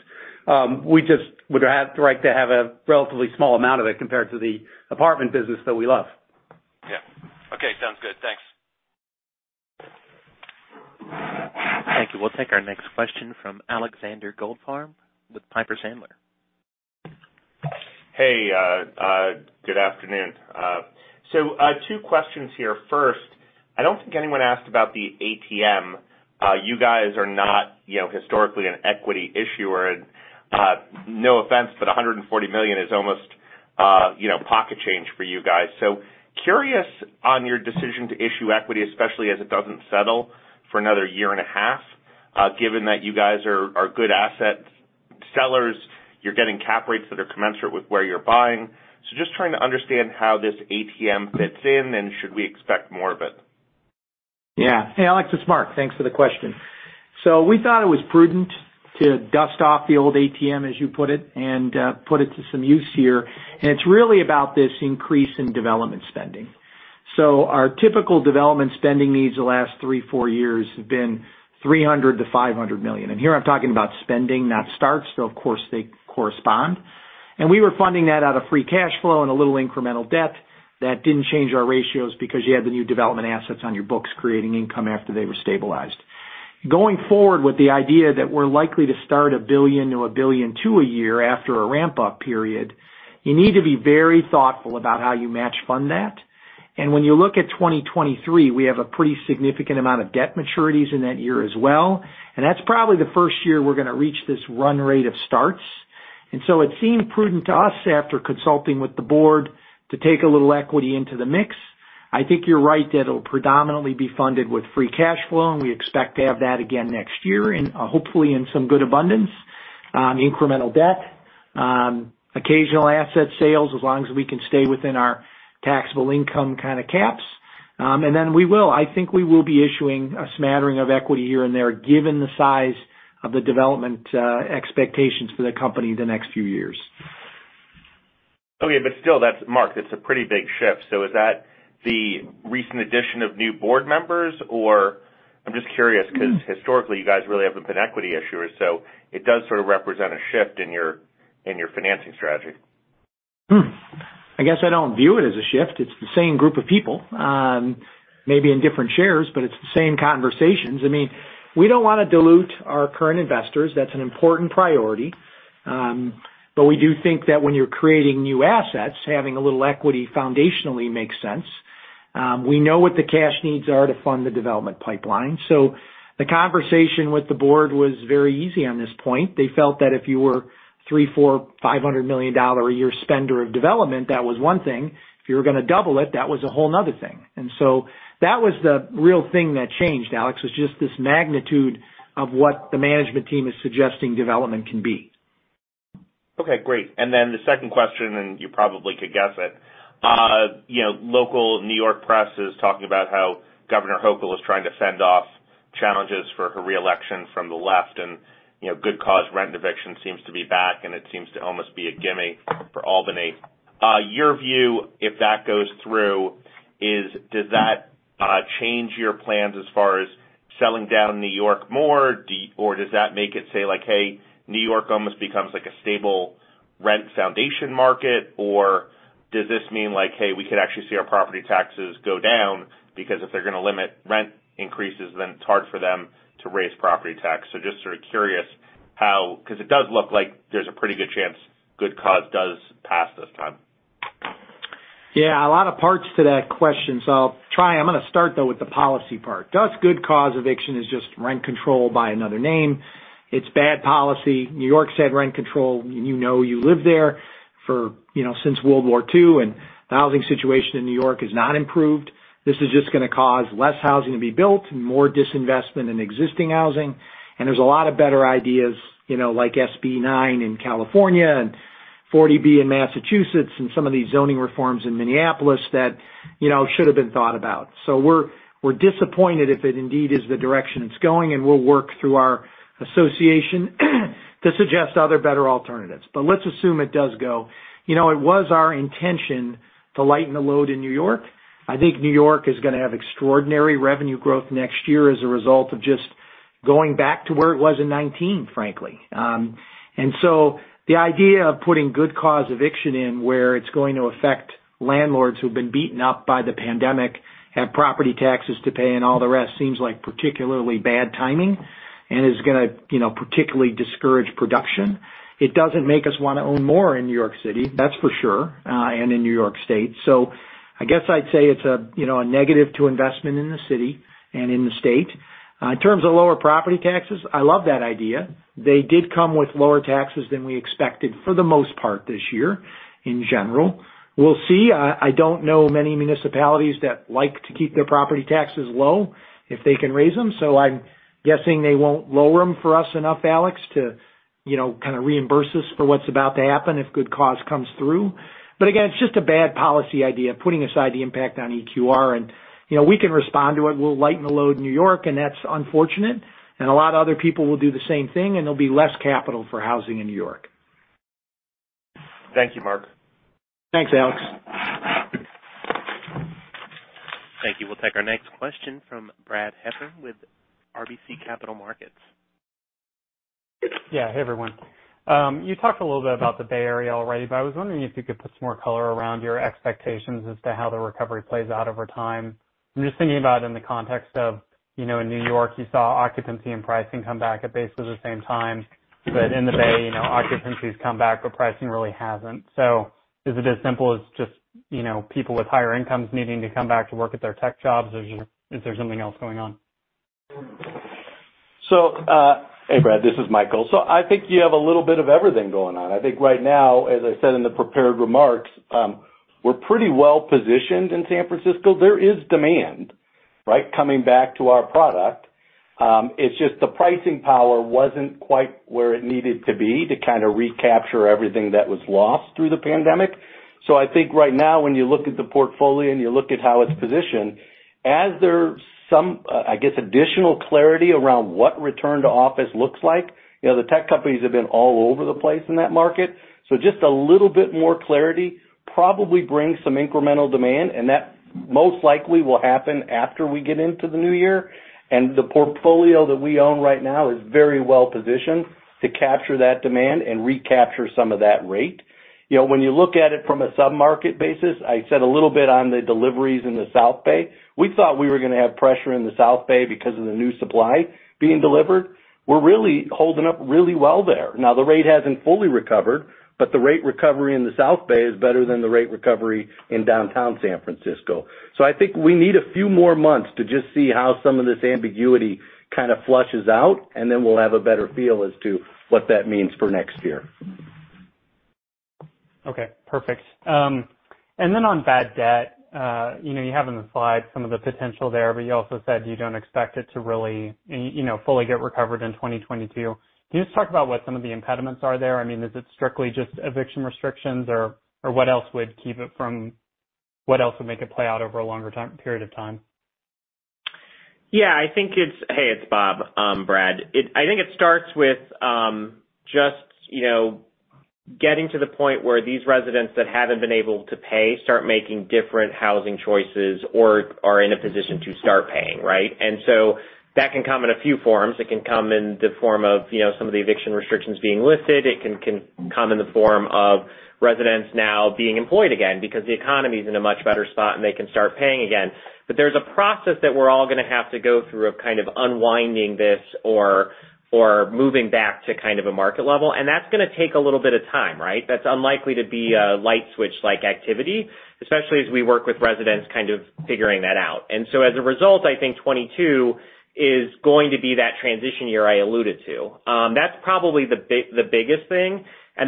We just would have like to have a relatively small amount of it compared to the apartment business that we love. Yeah. Okay, sounds good. Thanks. Thank you. We'll take our next question from Alexander Goldfarb with Piper Sandler. Hey, good afternoon. Two questions here. First, I don't think anyone asked about the ATM. You guys are not, you know, historically an equity issuer. No offense, but $140 million is almost, you know, pocket change for you guys. I'm curious on your decision to issue equity, especially as it doesn't settle for another year and a half, given that you guys are good asset sellers, you're getting cap rates that are commensurate with where you're buying. Just trying to understand how this ATM fits in, and should we expect more of it? Yeah. Hey, Alex, it's Mark. Thanks for the question. We thought it was prudent to dust off the old ATM, as you put it, and put it to some use here. It's really about this increase in development spending. Our typical development spending needs the last three, four years have been $300 million-$500 million. Here I'm talking about spending, not starts, though, of course, they correspond. We were funding that out of free cash flow and a little incremental debt that didn't change our ratios because you had the new development assets on your books creating income after they were stabilized. Going forward with the idea that we're likely to start $1 billion-$1.2 billion a year after a ramp-up period, you need to be very thoughtful about how you match fund that. When you look at 2023, we have a pretty significant amount of debt maturities in that year as well, and that's probably the first year we're gonna reach this run rate of starts. It seemed prudent to us, after consulting with the board, to take a little equity into the mix. I think you're right that it'll predominantly be funded with free cash flow, and we expect to have that again next year and, hopefully in some good abundance, incremental debt, occasional asset sales as long as we can stay within our taxable income kinda caps. I think we will be issuing a smattering of equity here and there, given the size of the development, expectations for the company the next few years. Still, that's a pretty big shift. Mark, is that the recent addition of new board members? I'm just curious, 'cause historically you guys really haven't been equity issuers, so it does sort of represent a shift in your financing strategy. I guess I don't view it as a shift. It's the same group of people, maybe in different shares, but it's the same conversations. I mean, we don't wanna dilute our current investors. That's an important priority. But we do think that when you're creating new assets, having a little equity foundationally makes sense. We know what the cash needs are to fund the development pipeline. So the conversation with the board was very easy on this point. They felt that if you were a $300 million, $400 million, $500 million a year spender on development, that was one thing. If you were gonna double it, that was a whole 'nother thing. That was the real thing that changed, Alex, was just this magnitude of what the management team is suggesting development can be. Okay, great. The second question, you probably could guess it. You know, local New York press is talking about how Governor Hochul is trying to fend off challenges for her re-election from the left. You know, Good Cause Eviction seems to be back, and it seems to almost be a gimme for Albany. Your view, if that goes through, is, does that change your plans as far as selling down New York more? Or does that make it say, like, "Hey, New York almost becomes like a stable rent foundation market"? Or does this mean, like, "Hey, we could actually see our property taxes go down, because if they're gonna limit rent increases, then it's hard for them to raise property taxes?" Just sort of curious how. 'Cause it does look like there's a pretty good chance Good Cause does pass this time. Yeah, a lot of parts to that question, so I'll try. I'm gonna start, though, with the policy part. Does Good Cause Eviction is just rent control by another name? It's bad policy. New York's had rent control, and you know, you live there for, you know, since World War II, and the housing situation in New York has not improved. This is just gonna cause less housing to be built and more disinvestment in existing housing. There's a lot of better ideas, you know, like SB 9 in California and 40B in Massachusetts and some of these zoning reforms in Minneapolis that, you know, should have been thought about. We're disappointed if it indeed is the direction it's going, and we'll work through our association to suggest other better alternatives. Let's assume it does go. You know, it was our intention to lighten the load in New York. I think New York is gonna have extraordinary revenue growth next year as a result of just going back to where it was in 2019, frankly. The idea of putting Good Cause Eviction in where it's going to affect landlords who've been beaten up by the pandemic, have property taxes to pay, and all the rest seems like particularly bad timing and is gonna, you know, particularly discourage production. It doesn't make us wanna own more in New York City, that's for sure, and in New York State. I guess I'd say it's a, you know, a negative to investment in the city and in the state. In terms of lower property taxes, I love that idea. They did come with lower taxes than we expected for the most part this year in general. We'll see. I don't know many municipalities that like to keep their property taxes low if they can raise them, so I'm guessing they won't lower them for us enough, Alex, to, you know, kinda reimburse us for what's about to happen if Good Cause comes through. Again, it's just a bad policy idea, putting aside the impact on EQR. You know, we can respond to it. We'll lighten the load in New York, and that's unfortunate. A lot of other people will do the same thing, and there'll be less capital for housing in New York. Thank you, Mark. Thanks, Alex. Thank you. We'll take our next question from Brad Heffern with RBC Capital Markets. Yeah. Hey, everyone. You talked a little bit about the Bay Area already, but I was wondering if you could put some more color around your expectations as to how the recovery plays out over time. I'm just thinking about in the context of, you know, in New York, you saw occupancy and pricing come back at basically the same time. In the Bay, you know, occupancy's come back, but pricing really hasn't. Is it as simple as just, you know, people with higher incomes needing to come back to work at their tech jobs, or is there something else going on? So, uh... Hey, Brad. This is Michael. I think you have a little bit of everything going on. I think right now, as I said in the prepared remarks, we're pretty well-positioned in San Francisco. There is demand, right, coming back to our product. It's just the pricing power wasn't quite where it needed to be to kind of recapture everything that was lost through the pandemic. I think right now, when you look at the portfolio and you look at how it's positioned, as there's some, I guess, additional clarity around what return to office looks like, you know, the tech companies have been all over the place in that market. Just a little bit more clarity probably brings some incremental demand, and that most likely will happen after we get into the new year. The portfolio that we own right now is very well-positioned to capture that demand and recapture some of that rate. You know, when you look at it from a sub-market basis, I said a little bit on the deliveries in the South Bay. We thought we were gonna have pressure in the South Bay because of the new supply being delivered. We're really holding up really well there. Now, the rate hasn't fully recovered, but the rate recovery in the South Bay is better than the rate recovery in downtown San Francisco. I think we need a few more months to just see how some of this ambiguity kind of flushes out, and then we'll have a better feel as to what that means for next year. Okay. Perfect. On bad debt, you know, you have on the slide some of the potential there, but you also said you don't expect it to really, you know, fully get recovered in 2022. Can you just talk about what some of the impediments are there? I mean, is it strictly just eviction restrictions, or what else would make it play out over a longer period of time? Hey, it's Bob, Brad. I think it starts with just, you know, getting to the point where these residents that haven't been able to pay start making different housing choices or are in a position to start paying, right? That can come in a few forms. It can come in the form of, you know, some of the eviction restrictions being lifted. It can come in the form of residents now being employed again because the economy's in a much better spot, and they can start paying again. There's a process that we're all gonna have to go through of kind of unwinding this or moving back to kind of a market level, and that's gonna take a little bit of time, right? That's unlikely to be a light switch-like activity, especially as we work with residents kind of figuring that out. As a result, I think 2022 is going to be that transition year I alluded to. That's probably the biggest thing. To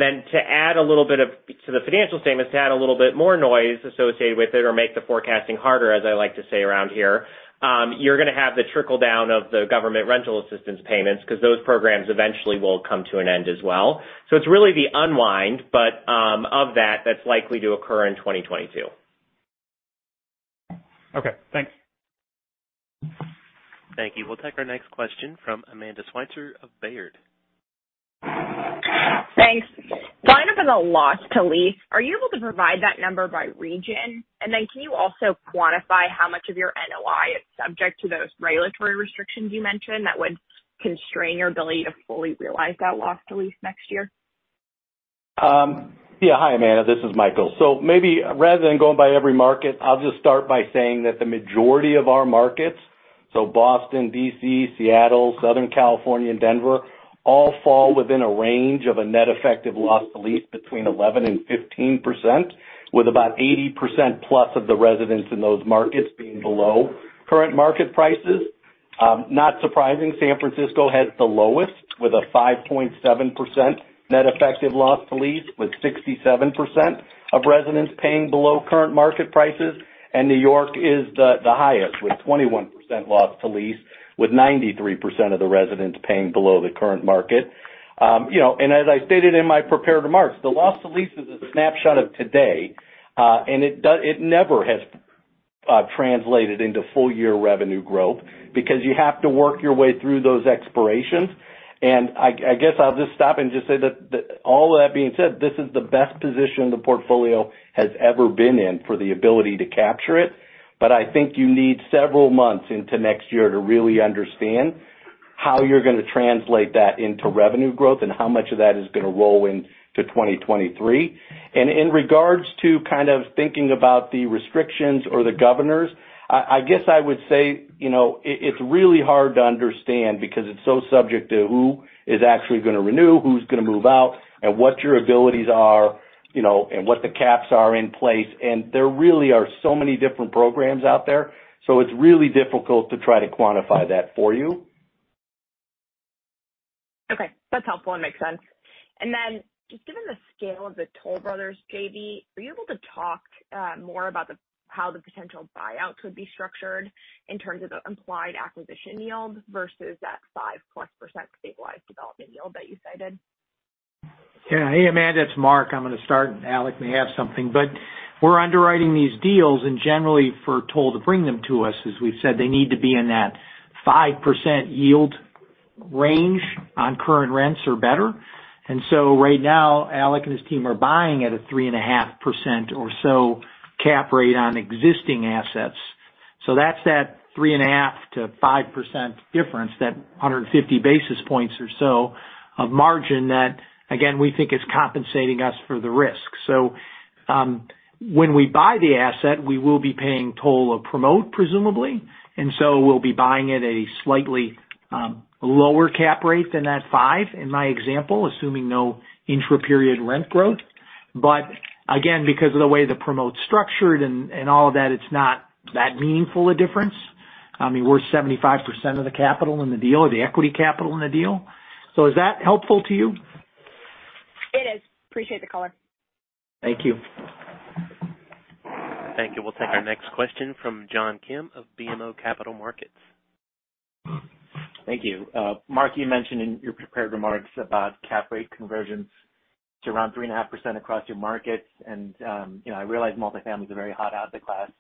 the financial statements, to add a little bit more noise associated with it or make the forecasting harder, as I like to say around here, you're gonna have the trickle-down of the government rental assistance payments 'cause those programs eventually will come to an end as well. It's really the unwind of that that's likely to occur in 2022. Okay. Thanks. Thank you. We'll take our next question from Amanda Sweitzer of Baird. Thanks. I know there's a loss to lease. Are you able to provide that number by region? Can you also quantify how much of your NOI is subject to those regulatory restrictions you mentioned that would constrain your ability to fully realize that loss to lease next year? Hi, Amanda. This is Michael. Maybe rather than going by every market, I'll just start by saying that the majority of our markets, so Boston, D.C., Seattle, Southern California, and Denver, all fall within a range of a net effective loss to lease between 11%-15%, with about 80%+ of the residents in those markets being below current market prices. Not surprising, San Francisco has the lowest with a 5.7% net effective loss to lease, with 67% of residents paying below current market prices. New York is the highest with 21% loss to lease, with 93% of the residents paying below the current market. You know, as I stated in my prepared remarks, the loss to lease is a snapshot of today, and it never has translated into full year revenue growth because you have to work your way through those expirations. I guess I'll just stop and just say that all of that being said, this is the best position the portfolio has ever been in for the ability to capture it. I think you need several months into next year to really understand how you're gonna translate that into revenue growth and how much of that is gonna roll into 2023. In regards to kind of thinking about the restrictions or the governors, I guess I would say, you know, it's really hard to understand because it's so subject to who is actually gonna renew, who's gonna move out, and what your abilities are, you know, and what the caps are in place. There really are so many different programs out there, so it's really difficult to try to quantify that for you. Okay. That's helpful and makes sense. Just given the scale of the Toll Brothers JV, are you able to talk more about the how the potential buyouts would be structured in terms of the implied acquisition yield versus that 5%+ stabilized development yield that you cited? Yeah. Hey, Amanda, it's Mark. I'm gonna start, and Alec may have something. We're underwriting these deals, and generally for Toll to bring them to us, as we've said, they need to be in that 5% yield range on current rents or better. Right now, Alec and his team are buying at a 3.5% or so cap rate on existing assets. That's that 3.5%-5% difference, that 150 basis points or so of margin that, again, we think is compensating us for the risk. When we buy the asset, we will be paying Toll a promote, presumably, and so we'll be buying at a slightly lower cap rate than that 5%, in my example, assuming no intraperiod rent growth. Again, because of the way the promote's structured and all of that, it's not that meaningful a difference. I mean, we're 75% of the capital in the deal or the equity capital in the deal. Is that helpful to you? It is. Appreciate the color. Thank you. Thank you. We'll take our next question from John Kim of BMO Capital Markets. Thank you. Mark, you mentioned in your prepared remarks about cap rate convergence to around 3.5% across your markets. You know, I realize multifamily is a very hot asset class,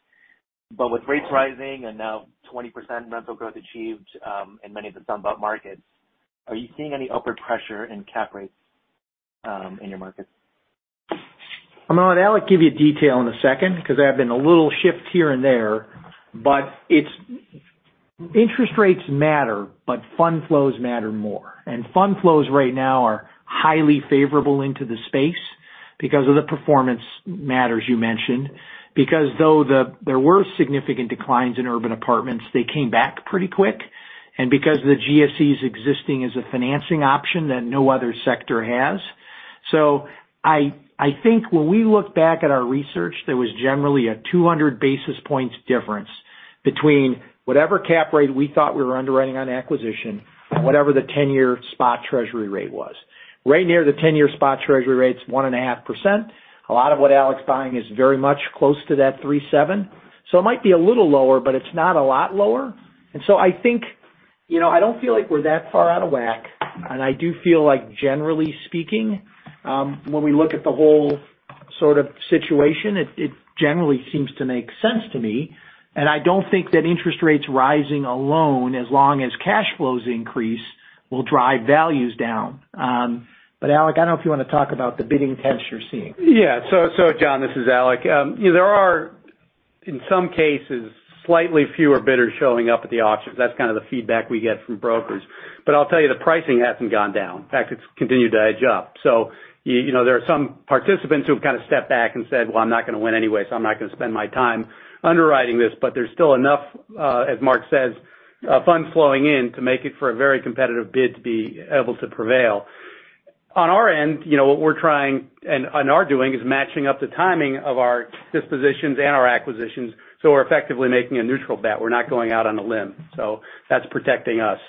but with rates rising and now 20% rental growth achieved in many of the Sunbelt markets, are you seeing any upward pressure in cap rates in your markets? I'm gonna let Alec give you detail in a second because there have been a little shift here and there, but it's. Interest rates matter, but fund flows matter more. Fund flows right now are highly favorable into the space because of the performance matters you mentioned. Because there were significant declines in urban apartments, they came back pretty quick. Because of the GSEs existing as a financing option that no other sector has. I think when we look back at our research, there was generally a 200 basis points difference between whatever cap rate we thought we were underwriting on acquisition and whatever the 10-year spot Treasury rate was. Right near the 10-year spot Treasury rate's 1.5%. A lot of what Alec's buying is very much close to that 3.7%, so it might be a little lower, but it's not a lot lower. I think, you know, I don't feel like we're that far out of whack, and I do feel like generally speaking, when we look at the whole sort of situation, it generally seems to make sense to me. I don't think that interest rates rising alone, as long as cash flows increase, will drive values down. Alec, I don't know if you wanna talk about the bidding rents you're seeing. John, this is Alec. There are in some cases, slightly fewer bidders showing up at the auctions. That's kind of the feedback we get from brokers. I'll tell you, the pricing hasn't gone down. In fact, it's continued to edge up. You know, there are some participants who have kind of stepped back and said, "Well, I'm not gonna win anyway, so I'm not gonna spend my time underwriting this." There's still enough, as Mark says, funds flowing in to make it for a very competitive bid to be able to prevail. On our end, you know, what we're trying and are doing is matching up the timing of our dispositions and our acquisitions, so we're effectively making a neutral bet. We're not going out on a limb, so that's protecting us.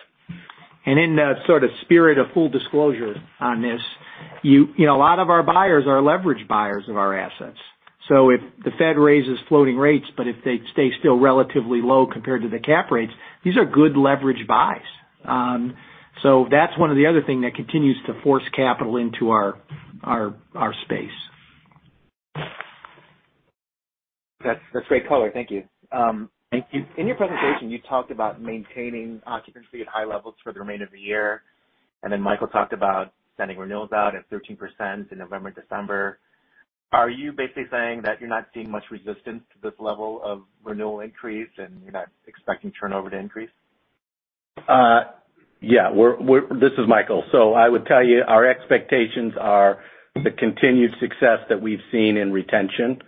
In the sort of spirit of full disclosure on this, you know, a lot of our buyers are leveraged buyers of our assets. If the Fed raises floating rates, but if they stay still relatively low compared to the cap rates, these are good leverage buys. That's one of the other thing that continues to force capital into our space. That's great color. Thank you. Thank you. In your presentation, you talked about maintaining occupancy at high levels for the remainder of the year, and then Michael talked about sending renewals out at 13% in November, December. Are you basically saying that you're not seeing much resistance to this level of renewal increase and you're not expecting turnover to increase? This is Michael. I would tell you our expectations are the continued success that we've seen in retention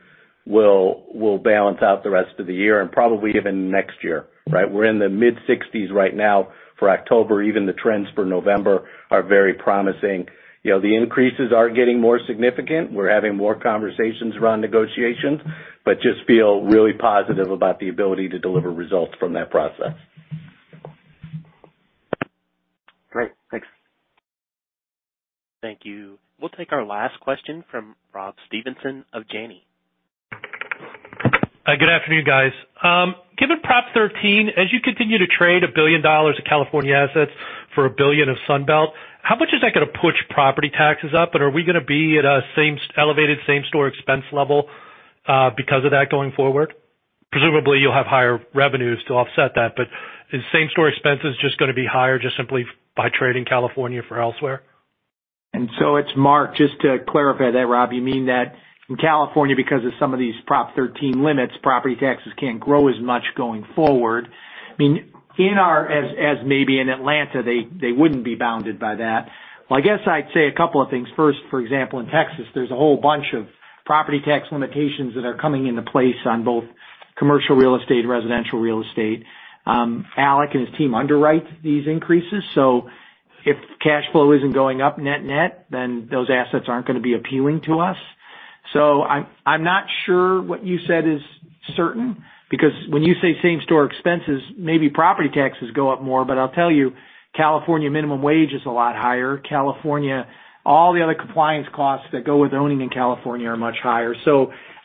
will balance out the rest of the year and probably even next year, right? We're in the mid-60s right now for October. Even the trends for November are very promising. You know, the increases are getting more significant. We're having more conversations around negotiations, but just feel really positive about the ability to deliver results from that process. Great. Thanks. Thank you. We'll take our last question from Rob Stevenson of Janney. Good afternoon, guys. Given Prop 13, as you continue to trade $1 billion of California assets for $1 billion of Sunbelt, how much is that gonna push property taxes up? Are we gonna be at an elevated same store expense level because of that going forward? Presumably, you'll have higher revenues to offset that, but is same store expenses just gonna be higher just simply by trading California for elsewhere? It's Mark. Just to clarify that, Rob, you mean that in California, because of some of these Prop 13 limits, property taxes can't grow as much going forward. I mean, as maybe in Atlanta, they wouldn't be bounded by that. Well, I guess I'd say a couple of things. First, for example, in Texas, there's a whole bunch of property tax limitations that are coming into place on both commercial real estate, residential real estate. Alec and his team underwrite these increases, so if cash flow isn't going up net, then those assets aren't gonna be appealing to us. I'm not sure what you said is certain, because when you say same store expenses, maybe property taxes go up more. But I'll tell you, California minimum wage is a lot higher. California, all the other compliance costs that go with owning in California are much higher.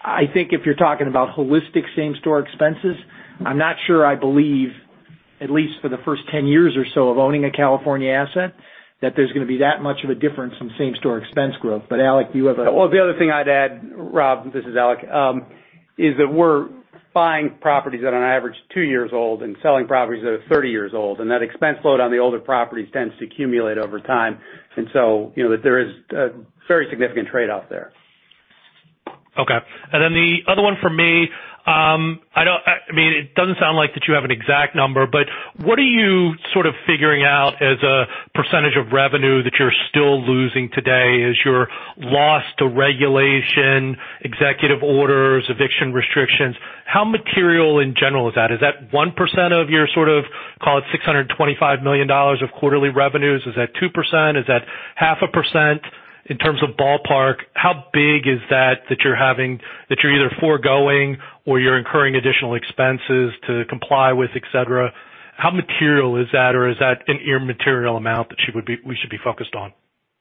I think if you're talking about holistic same store expenses, I'm not sure I believe, at least for the first 10 years or so of owning a California asset, that there's gonna be that much of a difference from same store expense growth. Alec, you have a Well, the other thing I'd add, Rob, this is Alec, is that we're buying properties that are on average two years old and selling properties that are 30 years old, and that expense load on the older properties tends to accumulate over time. You know, that there is a very significant trade off there. Okay. The other one for me, I mean, it doesn't sound like that you have an exact number, but what are you sort of figuring out as a percentage of revenue that you're still losing today as your loss to regulation, executive orders, eviction restrictions? How material in general is that? Is that 1% of your, sort of, call it $625 million of quarterly revenues? Is that 2%? Is that 0.5%? In terms of ballpark, how big is that you're either foregoing or you're incurring additional expenses to comply with, et cetera? How material is that, or is that an immaterial amount that should be-- we should be focused on?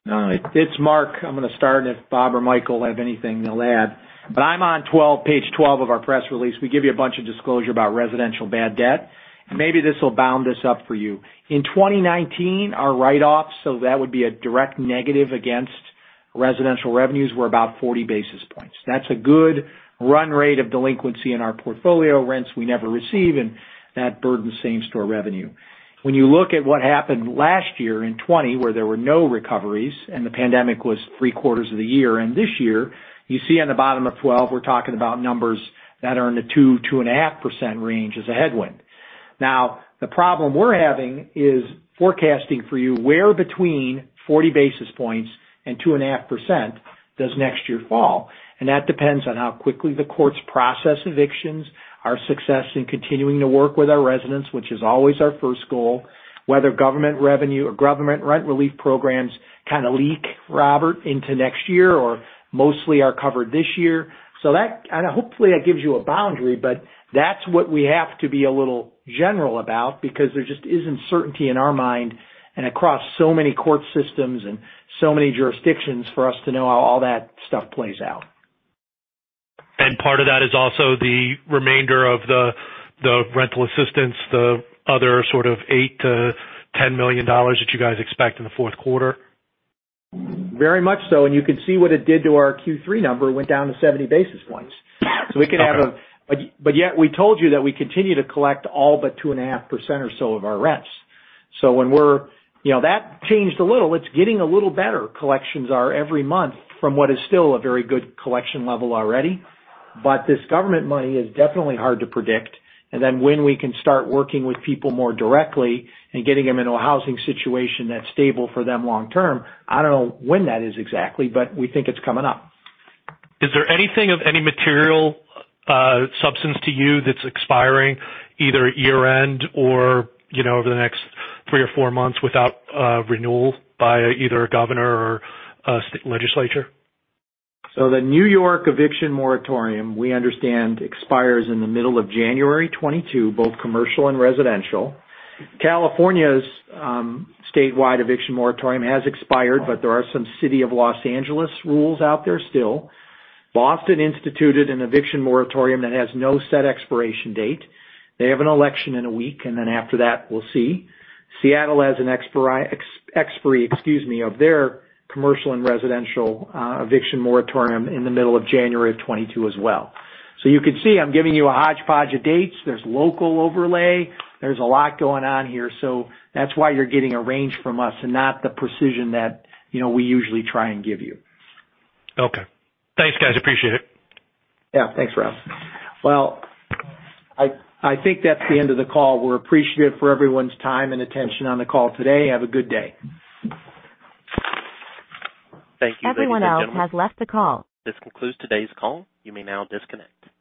No, it's Mark. I'm gonna start, and if Bob or Michael have anything, they'll add. I'm on page 12 of our press release. We give you a bunch of disclosure about residential bad debt, and maybe this will tie this up for you. In 2019, our write-offs, so that would be a direct negative against residential revenues, were about 40 basis points. That's a good run rate of delinquency in our portfolio, rents we never receive, and that burdens same-store revenue. When you look at what happened last year in 2020, where there were no recoveries and the pandemic was three-quarters of the year, and this year, you see on the bottom of 12, we're talking about numbers that are in the 2%-2.5% range as a headwind. Now, the problem we're having is forecasting for you where between 40 basis points and 2.5% does next year fall. That depends on how quickly the courts process evictions, our success in continuing to work with our residents, which is always our first goal, whether government revenue or government rent relief programs kinda leak, Robert, into next year or mostly are covered this year. Hopefully, that gives you a boundary, but that's what we have to be a little general about because there just isn't certainty in our mind and across so many court systems and so many jurisdictions for us to know how all that stuff plays out. Part of that is also the remainder of the rental assistance, the other sort of $8 million-$10 million that you guys expect in the fourth quarter? Very much so. You can see what it did to our Q3 number. It went down to 70 basis points. Okay. Yet we told you that we continue to collect all but 2.5% or so of our rents. You know, that changed a little. It's getting a little better, collections are every month from what is still a very good collection level already. This government money is definitely hard to predict. Then when we can start working with people more directly and getting them into a housing situation that's stable for them long term, I don't know when that is exactly, but we think it's coming up. Is there anything of any material substance to you that's expiring either year-end or, you know, over the next three or four months without renewal by either a governor or a state legislature? The New York eviction moratorium, we understand, expires in the middle of January 2022, both commercial and residential. California's statewide eviction moratorium has expired, but there are some City of Los Angeles rules out there still. Boston instituted an eviction moratorium that has no set expiration date. They have an election in a week, and then after that, we'll see. Seattle has an expiry, excuse me, of their commercial and residential eviction moratorium in the middle of January 2022 as well. You can see, I'm giving you a hodgepodge of dates. There's local overlay. There's a lot going on here. That's why you're getting a range from us and not the precision that, you know, we usually try and give you. Okay. Thanks, guys. Appreciate it. Yeah. Thanks, Rob. Well, I think that's the end of the call. We're appreciative for everyone's time and attention on the call today. Have a good day. Thank you. This concludes today's call. You may now disconnect.